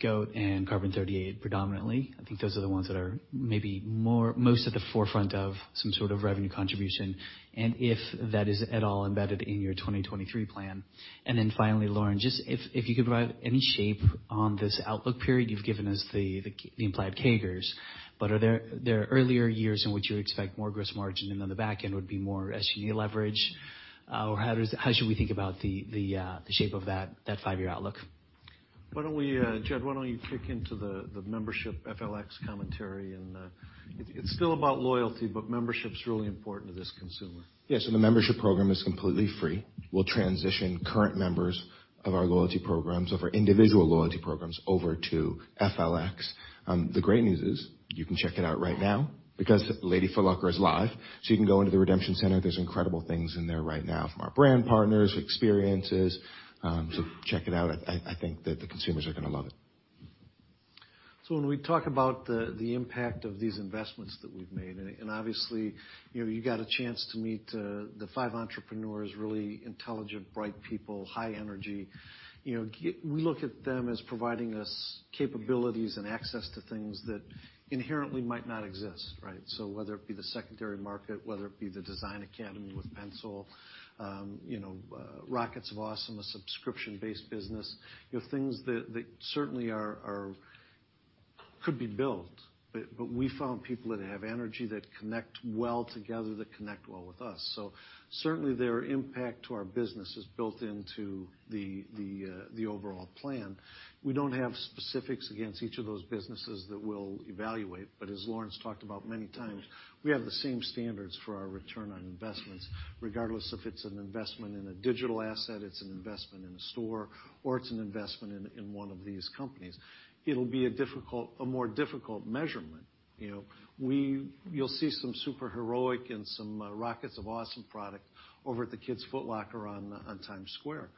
GOAT and Carbon38 predominantly? I think those are the ones that are maybe most at the forefront of some sort of revenue contribution. If that is at all embedded in your 2023 plan. Then finally, Lauren, just if you could provide any shape on this outlook period. You've given us the implied CAGRs, are there earlier years in which you would expect more gross margin and on the back end would be more SG&A leverage? How should we think about the shape of that five-year outlook? Jed, why don't you kick into the membership FLX commentary? It's still about loyalty, membership's really important to this consumer. Yeah. The membership program is completely free. We'll transition current members of our loyalty programs, of our individual loyalty programs over to FLX. The great news is you can check it out right now because Lady Foot Locker is live, you can go into the redemption center. There's incredible things in there right now from our brand partners, experiences. Check it out. I think that the consumers are going to love it. When we talk about the impact of these investments that we've made, obviously, you got a chance to meet the five entrepreneurs, really intelligent, bright people, high energy. We look at them as providing us capabilities and access to things that inherently might not exist, right? Whether it be the secondary market, whether it be the Design Academy with PENSOLE, Rockets of Awesome, a subscription-based business. Things that certainly could be built. We found people that have energy, that connect well together, that connect well with us. Certainly, their impact to our business is built into the overall plan. We don't have specifics against each of those businesses that we'll evaluate, as Lauren's talked about many times, we have the same standards for our return on investments, regardless if it's an investment in a digital asset, it's an investment in a store, or it's an investment in one of these companies. It'll be a more difficult measurement. You'll see some Super Heroic and some Rockets of Awesome product over at the Kids Foot Locker on Times Square.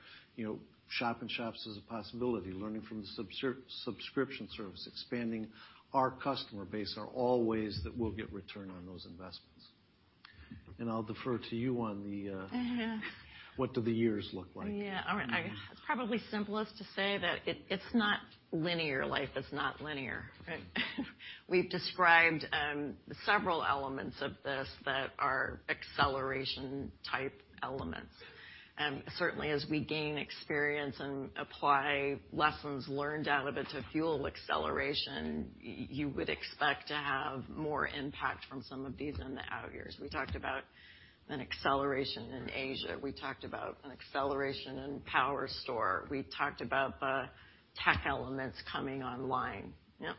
Shop-in-shops is a possibility. Learning from the subscription service, expanding our customer base, are all ways that we'll get return on those investments. What do the years look like? Yeah. It's probably simplest to say that it's not linear. Life is not linear, right? We've described several elements of this that are acceleration-type elements. Certainly, as we gain experience and apply lessons learned out of it to fuel acceleration, you would expect to have more impact from some of these in the out years. We talked about an acceleration in Asia. We talked about an acceleration in power store. We talked about the tech elements coming online. Yeah.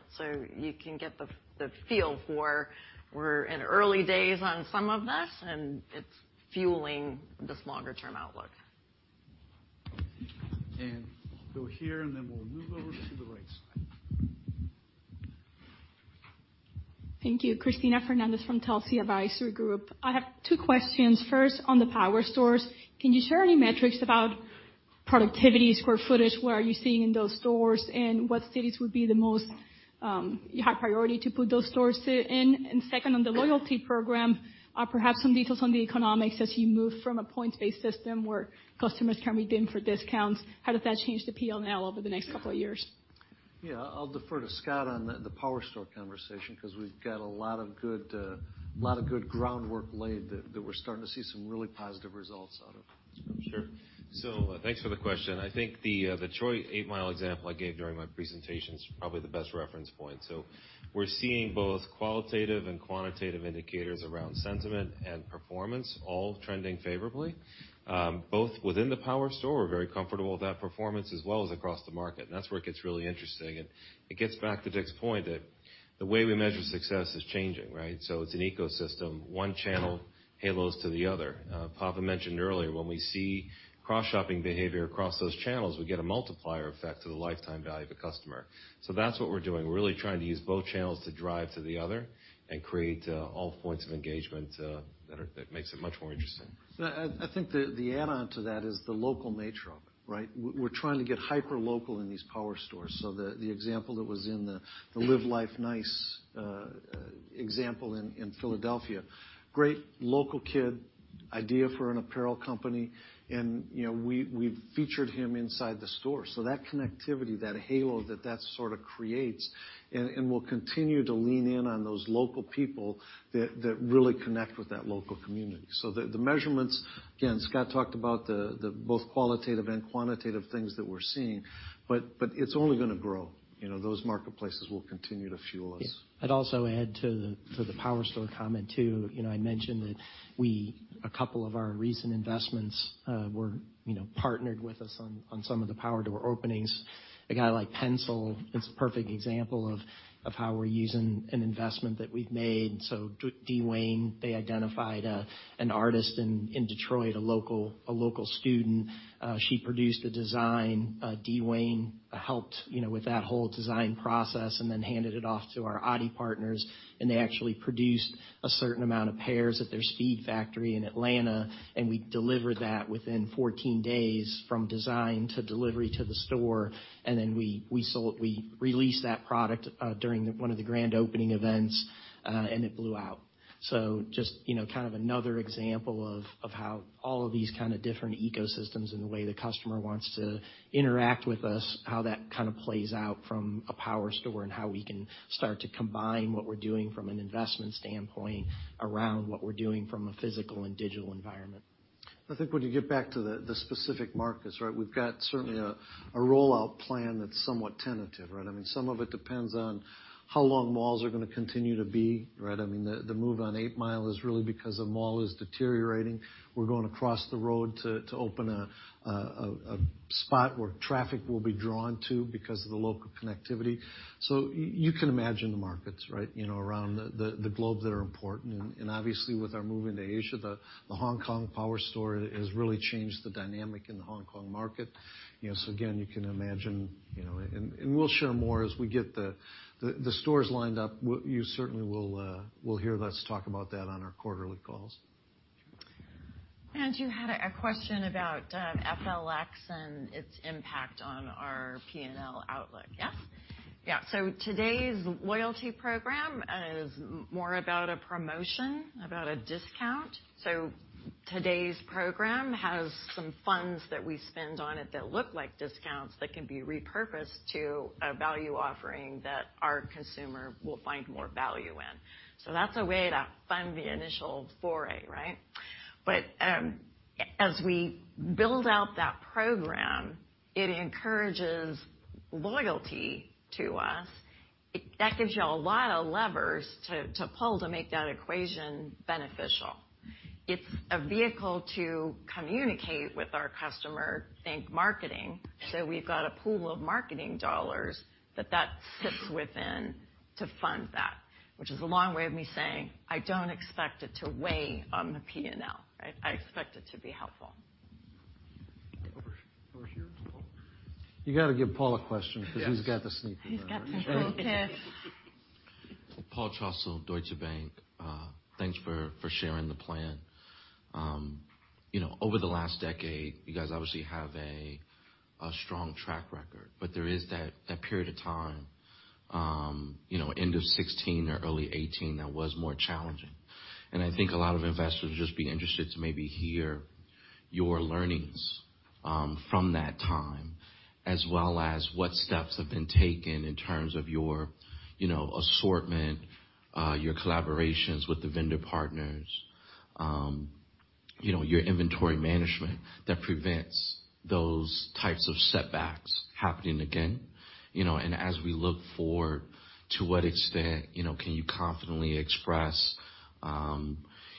You can get the feel for we're in early days on some of this, and it's fueling this longer-term outlook. We'll go here, and then we'll move over to the right side. Thank you. Cristina Fernández from Telsey Advisory Group. I have two questions. First, on the power stores, can you share any metrics about productivity, square footage, what are you seeing in those stores? What cities would be the most high priority to put those stores in? Second, on the loyalty program, perhaps some details on the economics as you move from a points-based system where customers can redeem for discounts, how does that change the P&L over the next couple of years? Yeah. I'll defer to Scott on the power store conversation because we've got a lot of good groundwork laid that we're starting to see some really positive results out of. Sure. Thanks for the question. I think the Troy 8 Mile example I gave during my presentation is probably the best reference point. We're seeing both qualitative and quantitative indicators around sentiment and performance all trending favorably. Both within the power store, we're very comfortable with that performance, as well as across the market, and that's where it gets really interesting. It gets back to Dick's point that the way we measure success is changing, right? It's an ecosystem. One channel halos to the other. Pawan mentioned earlier, when we see cross-shopping behavior across those channels, we get a multiplier effect to the lifetime value of a customer. That's what we're doing. We're really trying to use both channels to drive to the other and create all points of engagement that makes it much more interesting. I think the add-on to that is the local nature of it, right? We're trying to get hyper-local in these power stores. The example that was in the Live Life Nice example in Philadelphia. Great local kid idea for an apparel company. We featured him inside the store. That connectivity, that halo that sort of creates, we'll continue to lean in on those local people that really connect with that local community. The measurements, again, Scott talked about both qualitative and quantitative things that we're seeing, but it's only going to grow. Those marketplaces will continue to fuel us. I'd also add to the power store comment too. I mentioned that a couple of our recent investments were partnered with us on some of the power door openings. A guy like PENSOLE is a perfect example of how we're using an investment that we've made. D. Wayne, they identified an artist in Detroit, a local student. She produced a design. D. Wayne helped with that whole design process and then handed it off to our Adi partners, and they actually produced a certain amount of pairs at their SPEEDFACTORY in Atlanta, and we delivered that within 14 days from design to delivery to the store, and then we released that product during one of the grand opening events. It blew out. Just kind of another example of how all of these kind of different ecosystems and the way the customer wants to interact with us, how that kind of plays out from a power store and how we can start to combine what we're doing from an investment standpoint around what we're doing from a physical and digital environment. I think when you get back to the specific markets, right, we've got certainly a rollout plan that's somewhat tentative, right? Some of it depends on how long malls are going to continue to be, right? The move on 8 Mile is really because the mall is deteriorating. We're going across the road to open a spot where traffic will be drawn to because of the local connectivity. You can imagine the markets, right, around the globe that are important. Obviously, with our move into Asia, the Hong Kong power store has really changed the dynamic in the Hong Kong market. Again, you can imagine, and we'll share more as we get the stores lined up. You certainly will hear us talk about that on our quarterly calls. You had a question about FLX and its impact on our P&L outlook, yes? Today's loyalty program is more about a promotion, about a discount. Today's program has some funds that we spend on it that look like discounts that can be repurposed to a value offering that our consumer will find more value in. That's a way to fund the initial foray, right? As we build out that program, it encourages loyalty to us. That gives you a lot of levers to pull to make that equation beneficial. It's a vehicle to communicate with our customer, think marketing. We've got a pool of marketing dollars that sits within to fund that, which is a long way of me saying I don't expect it to weigh on the P&L. Right? I expect it to be helpful. Over here. You got to give Paul a question because he's got the sneaker on. He's got the cool kicks. Paul Trussell, Deutsche Bank. Thanks for sharing the plan. Over the last decade, you guys obviously have a strong track record, but there is that period of time, end of 2016 or early 2018, that was more challenging. I think a lot of investors would just be interested to maybe hear your learnings from that time, as well as what steps have been taken in terms of your assortment, your collaborations with the vendor partners, your inventory management that prevents those types of setbacks happening again. As we look forward to what extent can you confidently express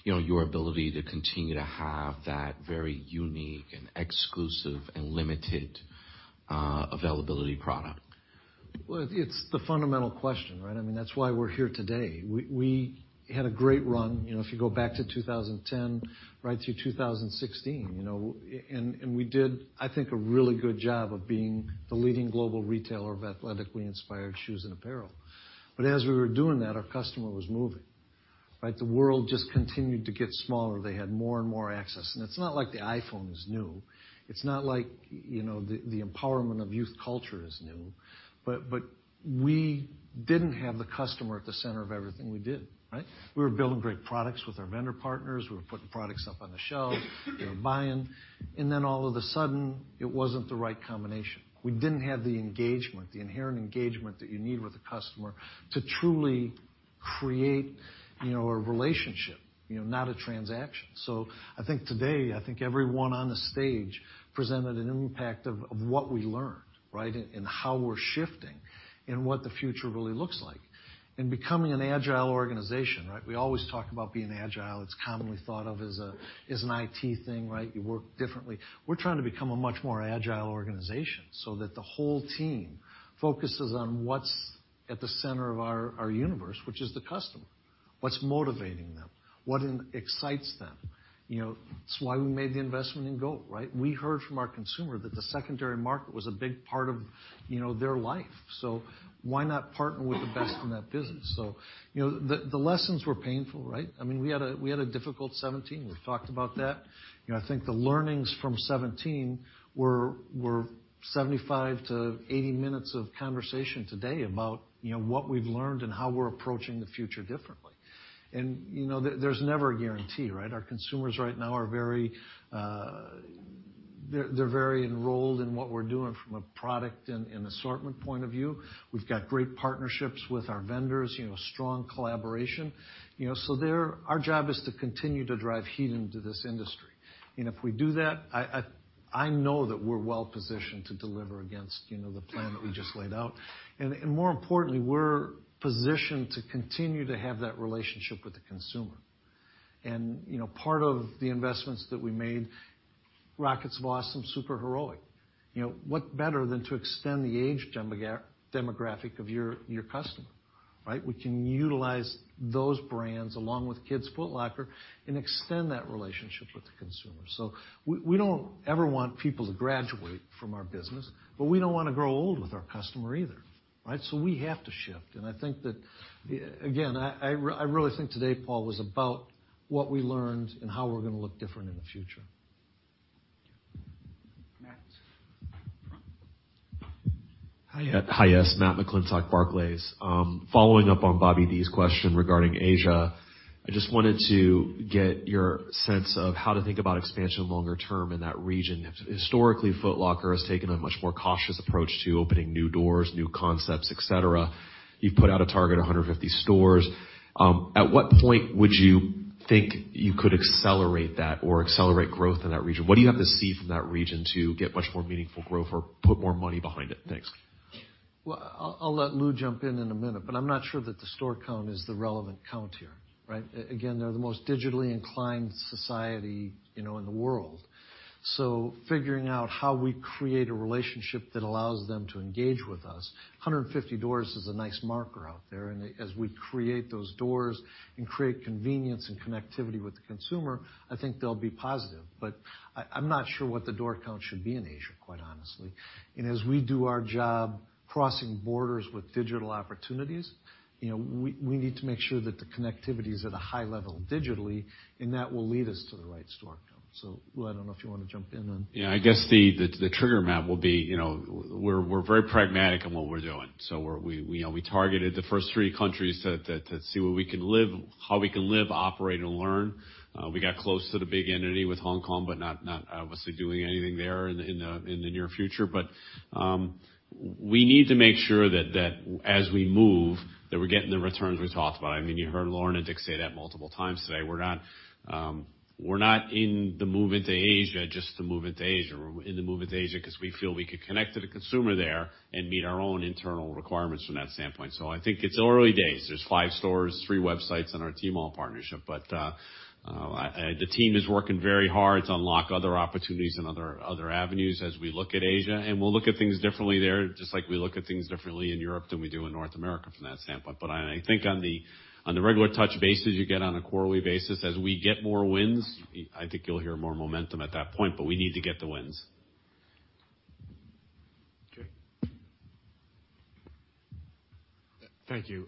your ability to continue to have that very unique and exclusive and limited availability product? Well, it's the fundamental question, right? That's why we're here today. We had a great run. If you go back to 2010, right through 2016. We did, I think, a really good job of being the leading global retailer of athletically inspired shoes and apparel. As we were doing that, our customer was moving. Right? The world just continued to get smaller. They had more and more access. It's not like the iPhone is new. It's not like the empowerment of youth culture is new. We didn't have the customer at the center of everything we did. Right? We were building great products with our vendor partners. We were putting products up on the shelves, buying. All of a sudden, it wasn't the right combination. We didn't have the engagement, the inherent engagement that you need with a customer to truly create a relationship, not a transaction. I think today, I think everyone on the stage presented an impact of what we learned, right, in how we're shifting and what the future really looks like. Becoming an agile organization, right? We always talk about being agile. It's commonly thought of as an IT thing, right? You work differently. We're trying to become a much more agile organization so that the whole team focuses on what's at the center of our universe, which is the customer. What's motivating them, what excites them. It's why we made the investment in GOAT, right? We heard from our consumer that the secondary market was a big part of their life. Why not partner with the best in that business? The lessons were painful, right? We had a difficult 2017. We've talked about that. I think the learnings from 2017 were 75-80 minutes of conversation today about what we've learned and how we're approaching the future differently. There's never a guarantee, right? Our consumers right now, they're very enrolled in what we're doing from a product and assortment point of view. We've got great partnerships with our vendors, strong collaboration. Our job is to continue to drive heat into this industry. If we do that, I know that we're well-positioned to deliver against the plan that we just laid out. More importantly, we're positioned to continue to have that relationship with the consumer. Part of the investments that we made, Rockets of Awesome, Super Heroic. What better than to extend the age demographic of your customer, right? We can utilize those brands along with Kids Foot Locker and extend that relationship with the consumer. We don't ever want people to graduate from our business, we don't want to grow old with our customer either, right? We have to shift. Again, I really think today, Paul, was about what we learned and how we're going to look different in the future. Matt. Hi. Matt McClintock, Barclays. Following up on Bobby D's question regarding Asia. I just wanted to get your sense of how to think about expansion longer term in that region. Historically, Foot Locker has taken a much more cautious approach to opening new doors, new concepts, et cetera. You've put out a target of 150 stores. At what point would you think you could accelerate that or accelerate growth in that region? What do you have to see from that region to get much more meaningful growth or put more money behind it? Thanks. I'll let Lou jump in in a minute, but I'm not sure that the store count is the relevant count here, right? Again, they're the most digitally inclined society in the world. Figuring out how we create a relationship that allows them to engage with us, 150 doors is a nice marker out there. As we create those doors and create convenience and connectivity with the consumer, I think they'll be positive. I'm not sure what the door count should be in Asia, quite honestly. As we do our job crossing borders with digital opportunities, we need to make sure that the connectivity is at a high level digitally, and that will lead us to the right store count. Lou, I don't know if you want to jump in then. I guess the trigger, Matt, will be we're very pragmatic in what we're doing. We targeted the first three countries to see how we can live, operate, and learn. We got close to the big entity with Hong Kong, but not obviously doing anything there in the near future. We need to make sure that as we move, that we're getting the returns we talked about. You heard Lauren and Dick say that multiple times today. We're not in the move into Asia just to move into Asia. We're in the move into Asia because we feel we could connect to the consumer there and meet our own internal requirements from that standpoint. I think it's early days. There's five stores, three websites in our Tmall partnership. The team is working very hard to unlock other opportunities and other avenues as we look at Asia. We'll look at things differently there, just like we look at things differently in Europe than we do in North America from that standpoint. I think on the regular touch basis, you get on a quarterly basis. As we get more wins, I think you'll hear more momentum at that point, but we need to get the wins. Jay. Thank you.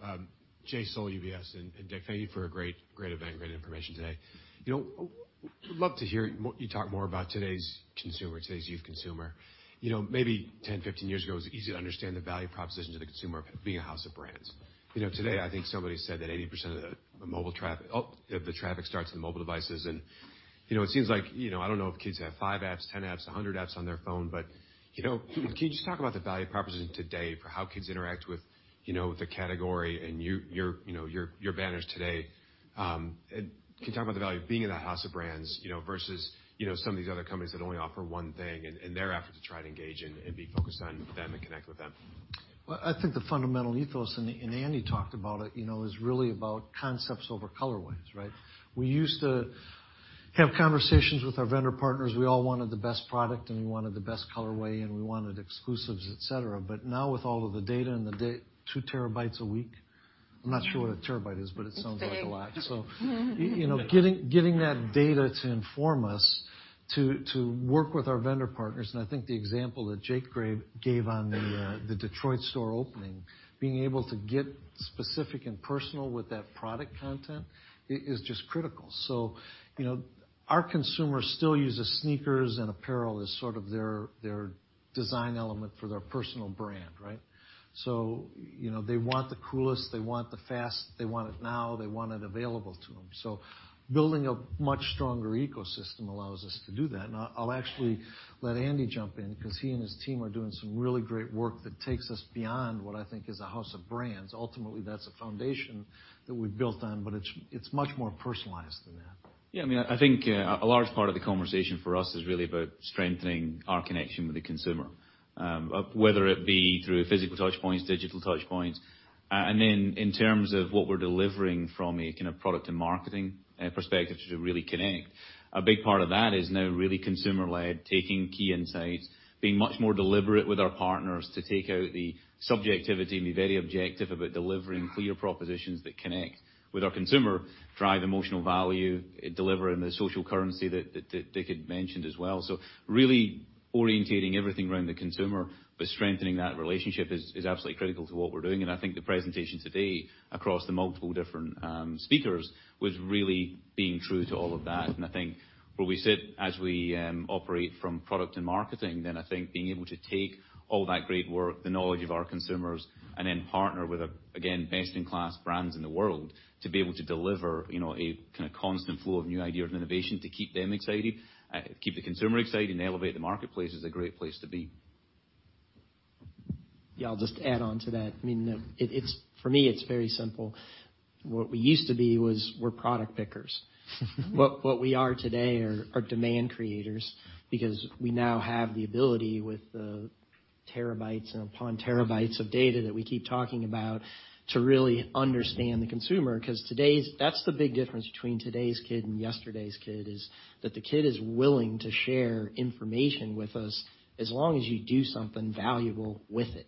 Jay Sole, UBS. Dick, thank you for a great event, great information today. Would love to hear you talk more about today's consumer, today's youth consumer. Maybe 10, 15 years ago, it was easy to understand the value proposition to the consumer of being a house of brands. Today, I think somebody said that 80% of the traffic starts in the mobile devices. It seems like, I don't know if kids have five apps, 10 apps, 100 apps on their phone, but can you just talk about the value proposition today for how kids interact with the category and your banners today? Can you talk about the value of being in a house of brands versus some of these other companies that only offer one thing and their effort to try to engage and be focused on them and connect with them? Well, I think the fundamental ethos, and Andy talked about it, is really about concepts over colorways, right? We used to have conversations with our vendor partners. We all wanted the best product and we wanted the best colorway and we wanted exclusives, et cetera. Now with all of the data and the two terabytes a week, I'm not sure what a terabyte is, but it sounds like a lot. Getting that data to inform us to work with our vendor partners, and I think the example that Jake gave on the Detroit store opening, being able to get specific and personal with that product content is just critical. Our consumers still use sneakers and apparel as sort of their design element for their personal brand, right? They want the coolest, they want the fast, they want it now, they want it available to them. Building a much stronger ecosystem allows us to do that. I'll actually let Andy jump in because he and his team are doing some really great work that takes us beyond what I think is a house of brands. Ultimately, that's a foundation that we've built on, but it's much more personalized than that. Yeah. I think a large part of the conversation for us is really about strengthening our connection with the consumer, whether it be through physical touch points, digital touch points. Then in terms of what we're delivering from a product and marketing perspective to really connect, a big part of that is now really consumer-led, taking key insights. Being much more deliberate with our partners to take out the subjectivity and be very objective about delivering clear propositions that connect with our consumer, drive emotional value, delivering the social currency that Dick had mentioned as well. Really orientating everything around the consumer, but strengthening that relationship is absolutely critical to what we're doing. I think the presentation today across the multiple different. Speakers was really being true to all of that. I think where we sit as we operate from product and marketing, then I think being able to take all that great work, the knowledge of our consumers, and then partner with, again, best-in-class brands in the world to be able to deliver a kind of constant flow of new ideas and innovation to keep them excited, keep the consumer excited, and elevate the marketplace is a great place to be. Yeah. I'll just add on to that. For me, it's very simple. What we used to be was we're product pickers. What we are today are demand creators, because we now have the ability, with the terabytes upon terabytes of data that we keep talking about, to really understand the consumer, because that's the big difference between today's kid and yesterday's kid, is that the kid is willing to share information with us as long as you do something valuable with it.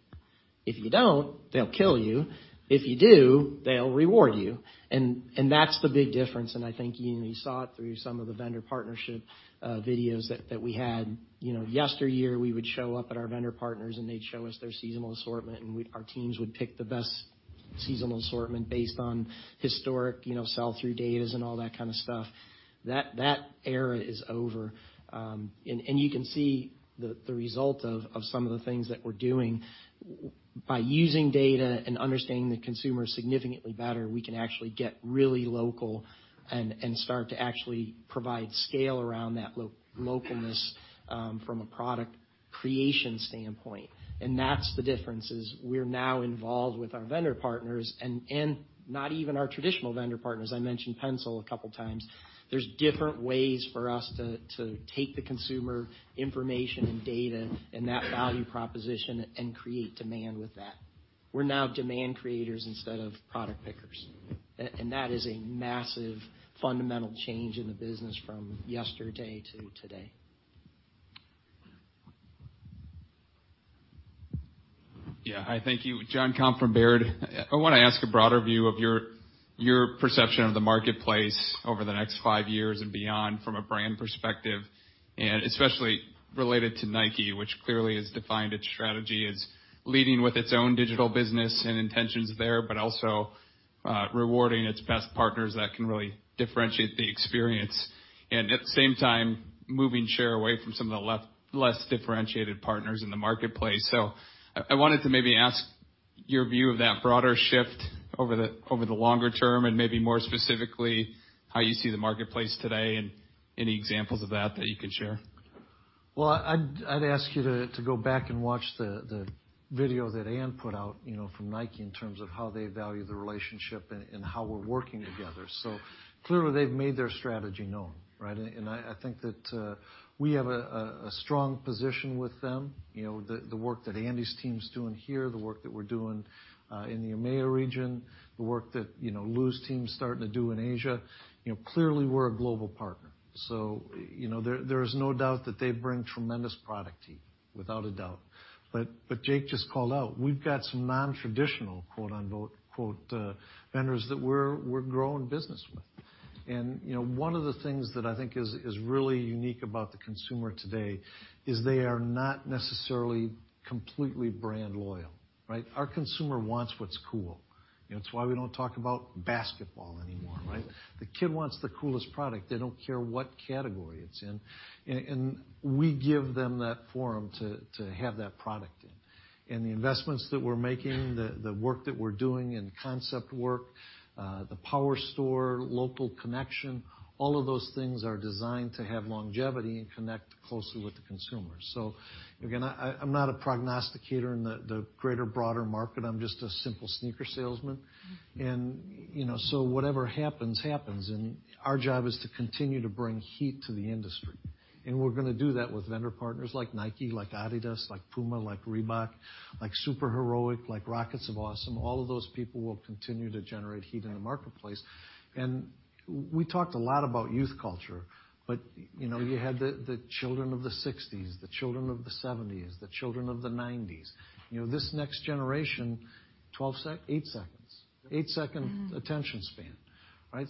If you don't, they'll kill you. If you do, they'll reward you. That's the big difference, and I think you saw it through some of the vendor partnership videos that we had. Yesteryear, we would show up at our vendor partners, and they'd show us their seasonal assortment, and our teams would pick the best seasonal assortment based on historic sell-through datas and all that kind of stuff. That era is over. You can see the result of some of the things that we're doing. By using data and understanding the consumer significantly better, we can actually get really local and start to actually provide scale around that localness from a product creation standpoint. That's the difference, is we're now involved with our vendor partners and not even our traditional vendor partners. I mentioned PENSOLE a couple of times. There's different ways for us to take the consumer information and data and that value proposition and create demand with that. We're now demand creators instead of product pickers. That is a massive fundamental change in the business from yesterday to today. Yeah. Hi, thank you. Jon Komp from Baird. I want to ask a broader view of your perception of the marketplace over the next five years and beyond from a brand perspective, and especially related to Nike, which clearly has defined its strategy as leading with its own digital business and intentions there, but also rewarding its best partners that can really differentiate the experience. At the same time, moving share away from some of the less differentiated partners in the marketplace. I wanted to maybe ask your view of that broader shift over the longer term and maybe more specifically, how you see the marketplace today and any examples of that that you can share. Well, I'd ask you to go back and watch the video that Ann put out from Nike in terms of how they value the relationship and how we're working together. Clearly, they've made their strategy known, right? I think that we have a strong position with them. The work that Andy's team's doing here, the work that we're doing in the EMEA region, the work that Lou's team's starting to do in Asia, clearly, we're a global partner. There is no doubt that they bring tremendous product to you, without a doubt. But Jake just called out, we've got some non-traditional, quote unquote, vendors that we're growing business with. And one of the things that I think is really unique about the consumer today is they are not necessarily completely brand loyal. Right? Our consumer wants what's cool. It's why we don't talk about basketball anymore, right? The kid wants the coolest product. They don't care what category it's in. And we give them that forum to have that product in. And the investments that we're making, the work that we're doing in concept work, the power store, local connection, all of those things are designed to have longevity and connect closely with the consumer. Again, I'm not a prognosticator in the greater, broader market. I'm just a simple sneaker salesman. Whatever happens happens, and our job is to continue to bring heat to the industry. And we're going to do that with vendor partners like Nike, like Adidas, like Puma, like Reebok, like Super Heroic, like Rockets of Awesome. All of those people will continue to generate heat in the marketplace. And we talked a lot about youth culture, but you had the children of the '60s, the children of the '70s, the children of the '90s. This next generation, eight seconds. Eight-second attention span, right?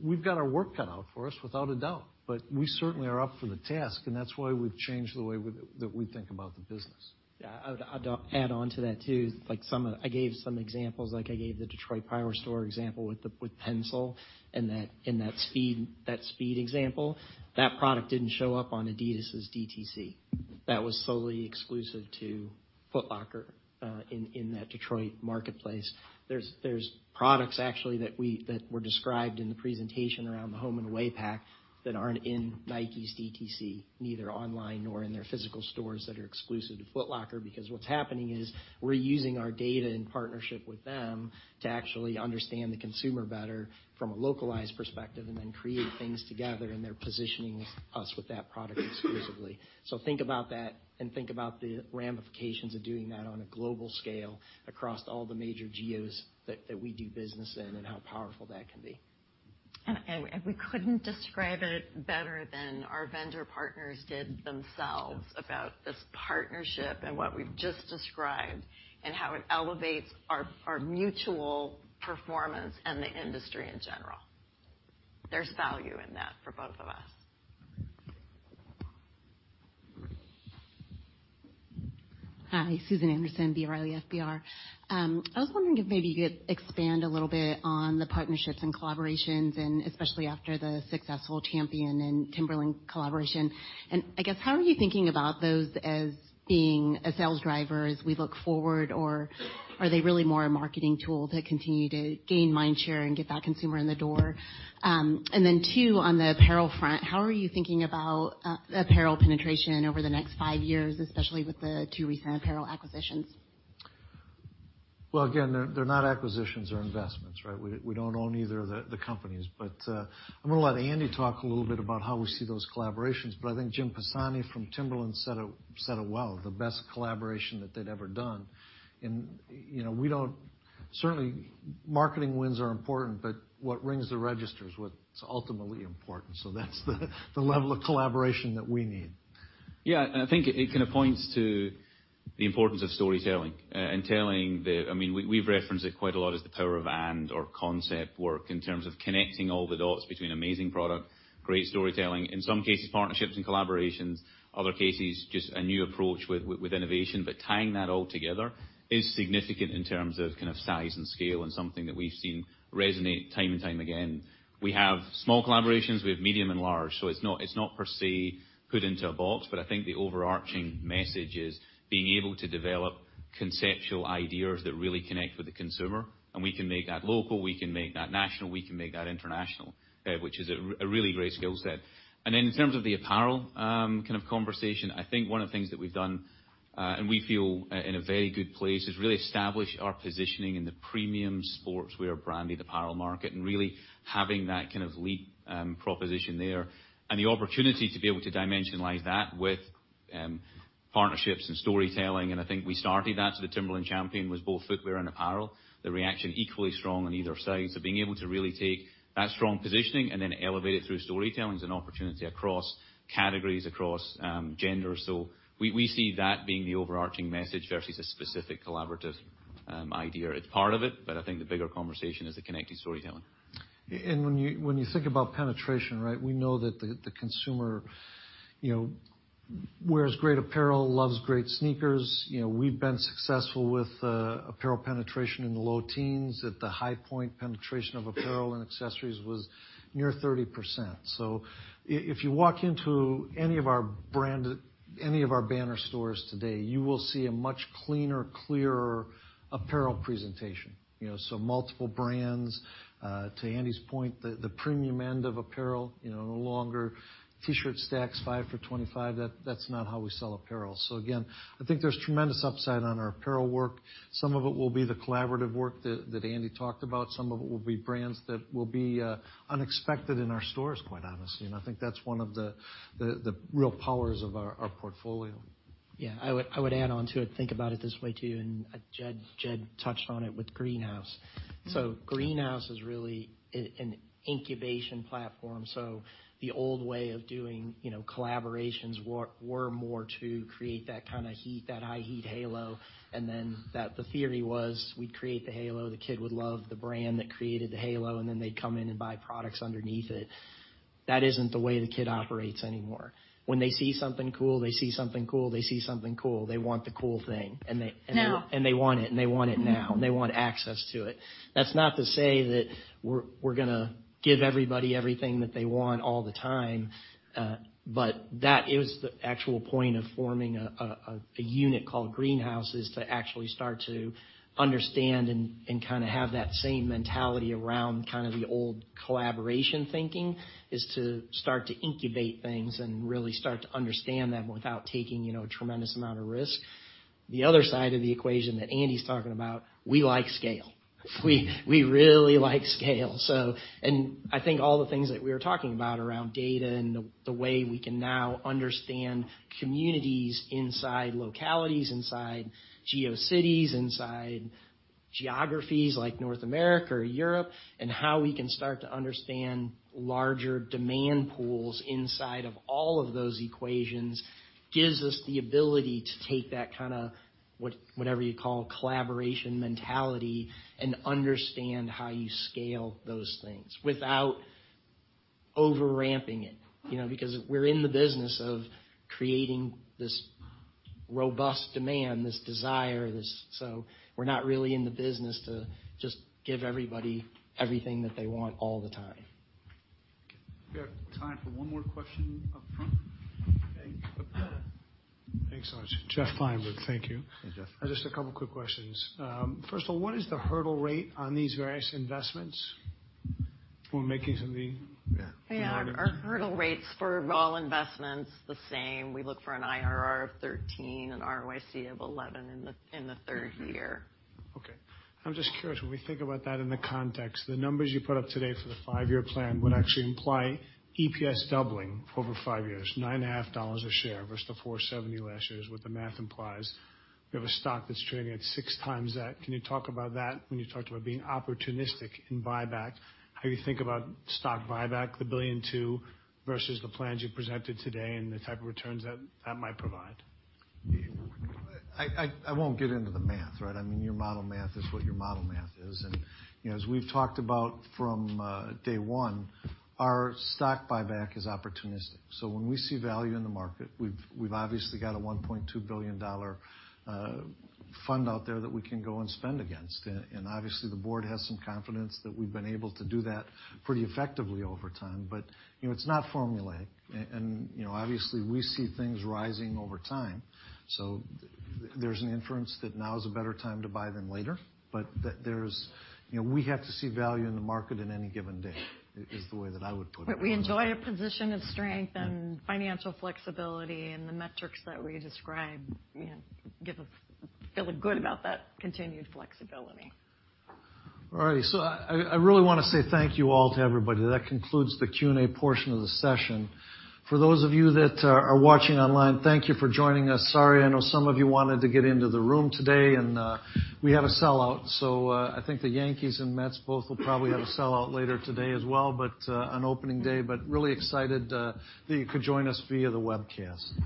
We've got our work cut out for us, without a doubt, but we certainly are up for the task, and that's why we've changed the way that we think about the business. Yeah. I'd add on to that, too. I gave some examples, like I gave the Detroit power store example with PENSOLE and that SPEEDFACTORY example. That product didn't show up on Adidas' DTC. That was solely exclusive to Foot Locker in that Detroit marketplace. There's products actually that were described in the presentation around the Home and Away pack that aren't in Nike's DTC, neither online nor in their physical stores that are exclusive to Foot Locker, because what's happening is we're using our data in partnership with them to actually understand the consumer better from a localized perspective and then create things together, and they're positioning us with that product exclusively. Think about that and think about the ramifications of doing that on a global scale across all the major geos that we do business in and how powerful that can be. We couldn't describe it better than our vendor partners did themselves about this partnership and what we've just described and how it elevates our mutual performance and the industry in general. There's value in that for both of us. Hi, Susan Anderson, B. Riley FBR. I was wondering if maybe you could expand a little bit on the partnerships and collaborations, especially after the successful Champion and Timberland collaboration. I guess, how are you thinking about those as being a sales driver as we look forward, or are they really more a marketing tool to continue to gain mind share and get that consumer in the door? Then two, on the apparel front, how are you thinking about apparel penetration over the next five years, especially with the two recent apparel acquisitions? Well, again, they're not acquisitions, they're investments, right? We don't own either of the companies. I'm going to let Andy talk a little bit about how we see those collaborations, but I think Jim Pisani from Timberland said it well, the best collaboration that they'd ever done. Certainly, marketing wins are important, but what rings the register is what's ultimately important. That's the level of collaboration that we need. Yeah, I think it kind of points to the importance of storytelling. We've referenced it quite a lot as the power of and/or concept work in terms of connecting all the dots between amazing product, great storytelling, in some cases, partnerships and collaborations, other cases, just a new approach with innovation. Tying that all together is significant in terms of size and scale and something that we've seen resonate time and time again. We have small collaborations, we have medium and large, so it's not per se put into a box, but I think the overarching message is being able to develop conceptual ideas that really connect with the consumer. We can make that local, we can make that national, we can make that international, which is a really great skill set. In terms of the apparel kind of conversation, I think one of the things that we've done, and we feel in a very good place, is really establish our positioning in the premium sportswear branded apparel market and really having that kind of lead proposition there. The opportunity to be able to dimensionalize that with partnerships and storytelling, and I think we started that. The Timberland Champion was both footwear and apparel. The reaction equally strong on either side. Being able to really take that strong positioning and then elevate it through storytelling is an opportunity across categories, across genders. We see that being the overarching message versus a specific collaborative idea. It's part of it, but I think the bigger conversation is the connecting storytelling. When you think about penetration, we know that the consumer wears great apparel, loves great sneakers. We've been successful with apparel penetration in the low teens. At the high point, penetration of apparel and accessories was near 30%. If you walk into any of our banner stores today, you will see a much cleaner, clearer apparel presentation. Multiple brands. To Andy's point, the premium end of apparel, no longer T-shirt stacks five for $25. That's not how we sell apparel. Again, I think there's tremendous upside on our apparel work. Some of it will be the collaborative work that Andy talked about. Some of it will be brands that will be unexpected in our stores, quite honestly, and I think that's one of the real powers of our portfolio. Yeah, I would add on to it, think about it this way, too. Jed touched on it with Greenhouse. Greenhouse is really an incubation platform. The old way of doing collaborations were more to create that kind of heat, that high heat halo, and then the theory was we'd create the halo, the kid would love the brand that created the halo, and then they'd come in and buy products underneath it. That isn't the way the kid operates anymore. When they see something cool, they want the cool thing. Now. They want it, and they want it now. They want access to it. That's not to say that we're going to give everybody everything that they want all the time. That is the actual point of forming a unit called Greenhouse, is to actually start to understand and kind of have that same mentality around kind of the old collaboration thinking, is to start to incubate things and really start to understand them without taking a tremendous amount of risk. The other side of the equation that Andy's talking about, we like scale. We really like scale. I think all the things that we were talking about around data and the way we can now understand communities inside localities, inside geo cities, inside geographies like North America or Europe, and how we can start to understand larger demand pools inside of all of those equations, gives us the ability to take that kind of whatever you call collaboration mentality and understand how you scale those things without over-ramping it. Because we're in the business of creating this robust demand, this desire, so we're not really in the business to just give everybody everything that they want all the time. We have time for one more question up front. Thanks so much. Jeff Feinberg. Thank you. Hey, Jeff. Just a couple quick questions. First of all, what is the hurdle rate on these various investments? Yeah, our hurdle rate's for all investments the same. We look for an IRR of 13, an ROIC of 11 in the third year. Okay. I'm just curious, when we think about that in the context, the numbers you put up today for the five-year plan would actually imply EPS doubling over five years, $9.5 a share versus the $4.70 last year is what the math implies. We have a stock that's trading at six times that. Can you talk about that when you talked about being opportunistic in buyback? How you think about stock buyback, the $1.2 billion versus the plans you presented today and the type of returns that might provide? I won't get into the math. I mean, your model math is what your model math is. As we've talked about from day one, our stock buyback is opportunistic. When we see value in the market, we've obviously got a $1.2 billion fund out there that we can go and spend against. Obviously, the board has some confidence that we've been able to do that pretty effectively over time. It's not formulaic. Obviously, we see things rising over time. There's an inference that now is a better time to buy than later. We have to see value in the market in any given day, is the way that I would put it. We enjoy a position of strength and financial flexibility, and the metrics that we describe give us a feeling good about that continued flexibility. All right. I really want to say thank you all to everybody. That concludes the Q&A portion of the session. For those of you that are watching online, thank you for joining us. Sorry, I know some of you wanted to get into the room today, and we had a sellout. I think the Yankees and Mets both will probably have a sellout later today as well, on opening day. Really excited that you could join us via the webcast.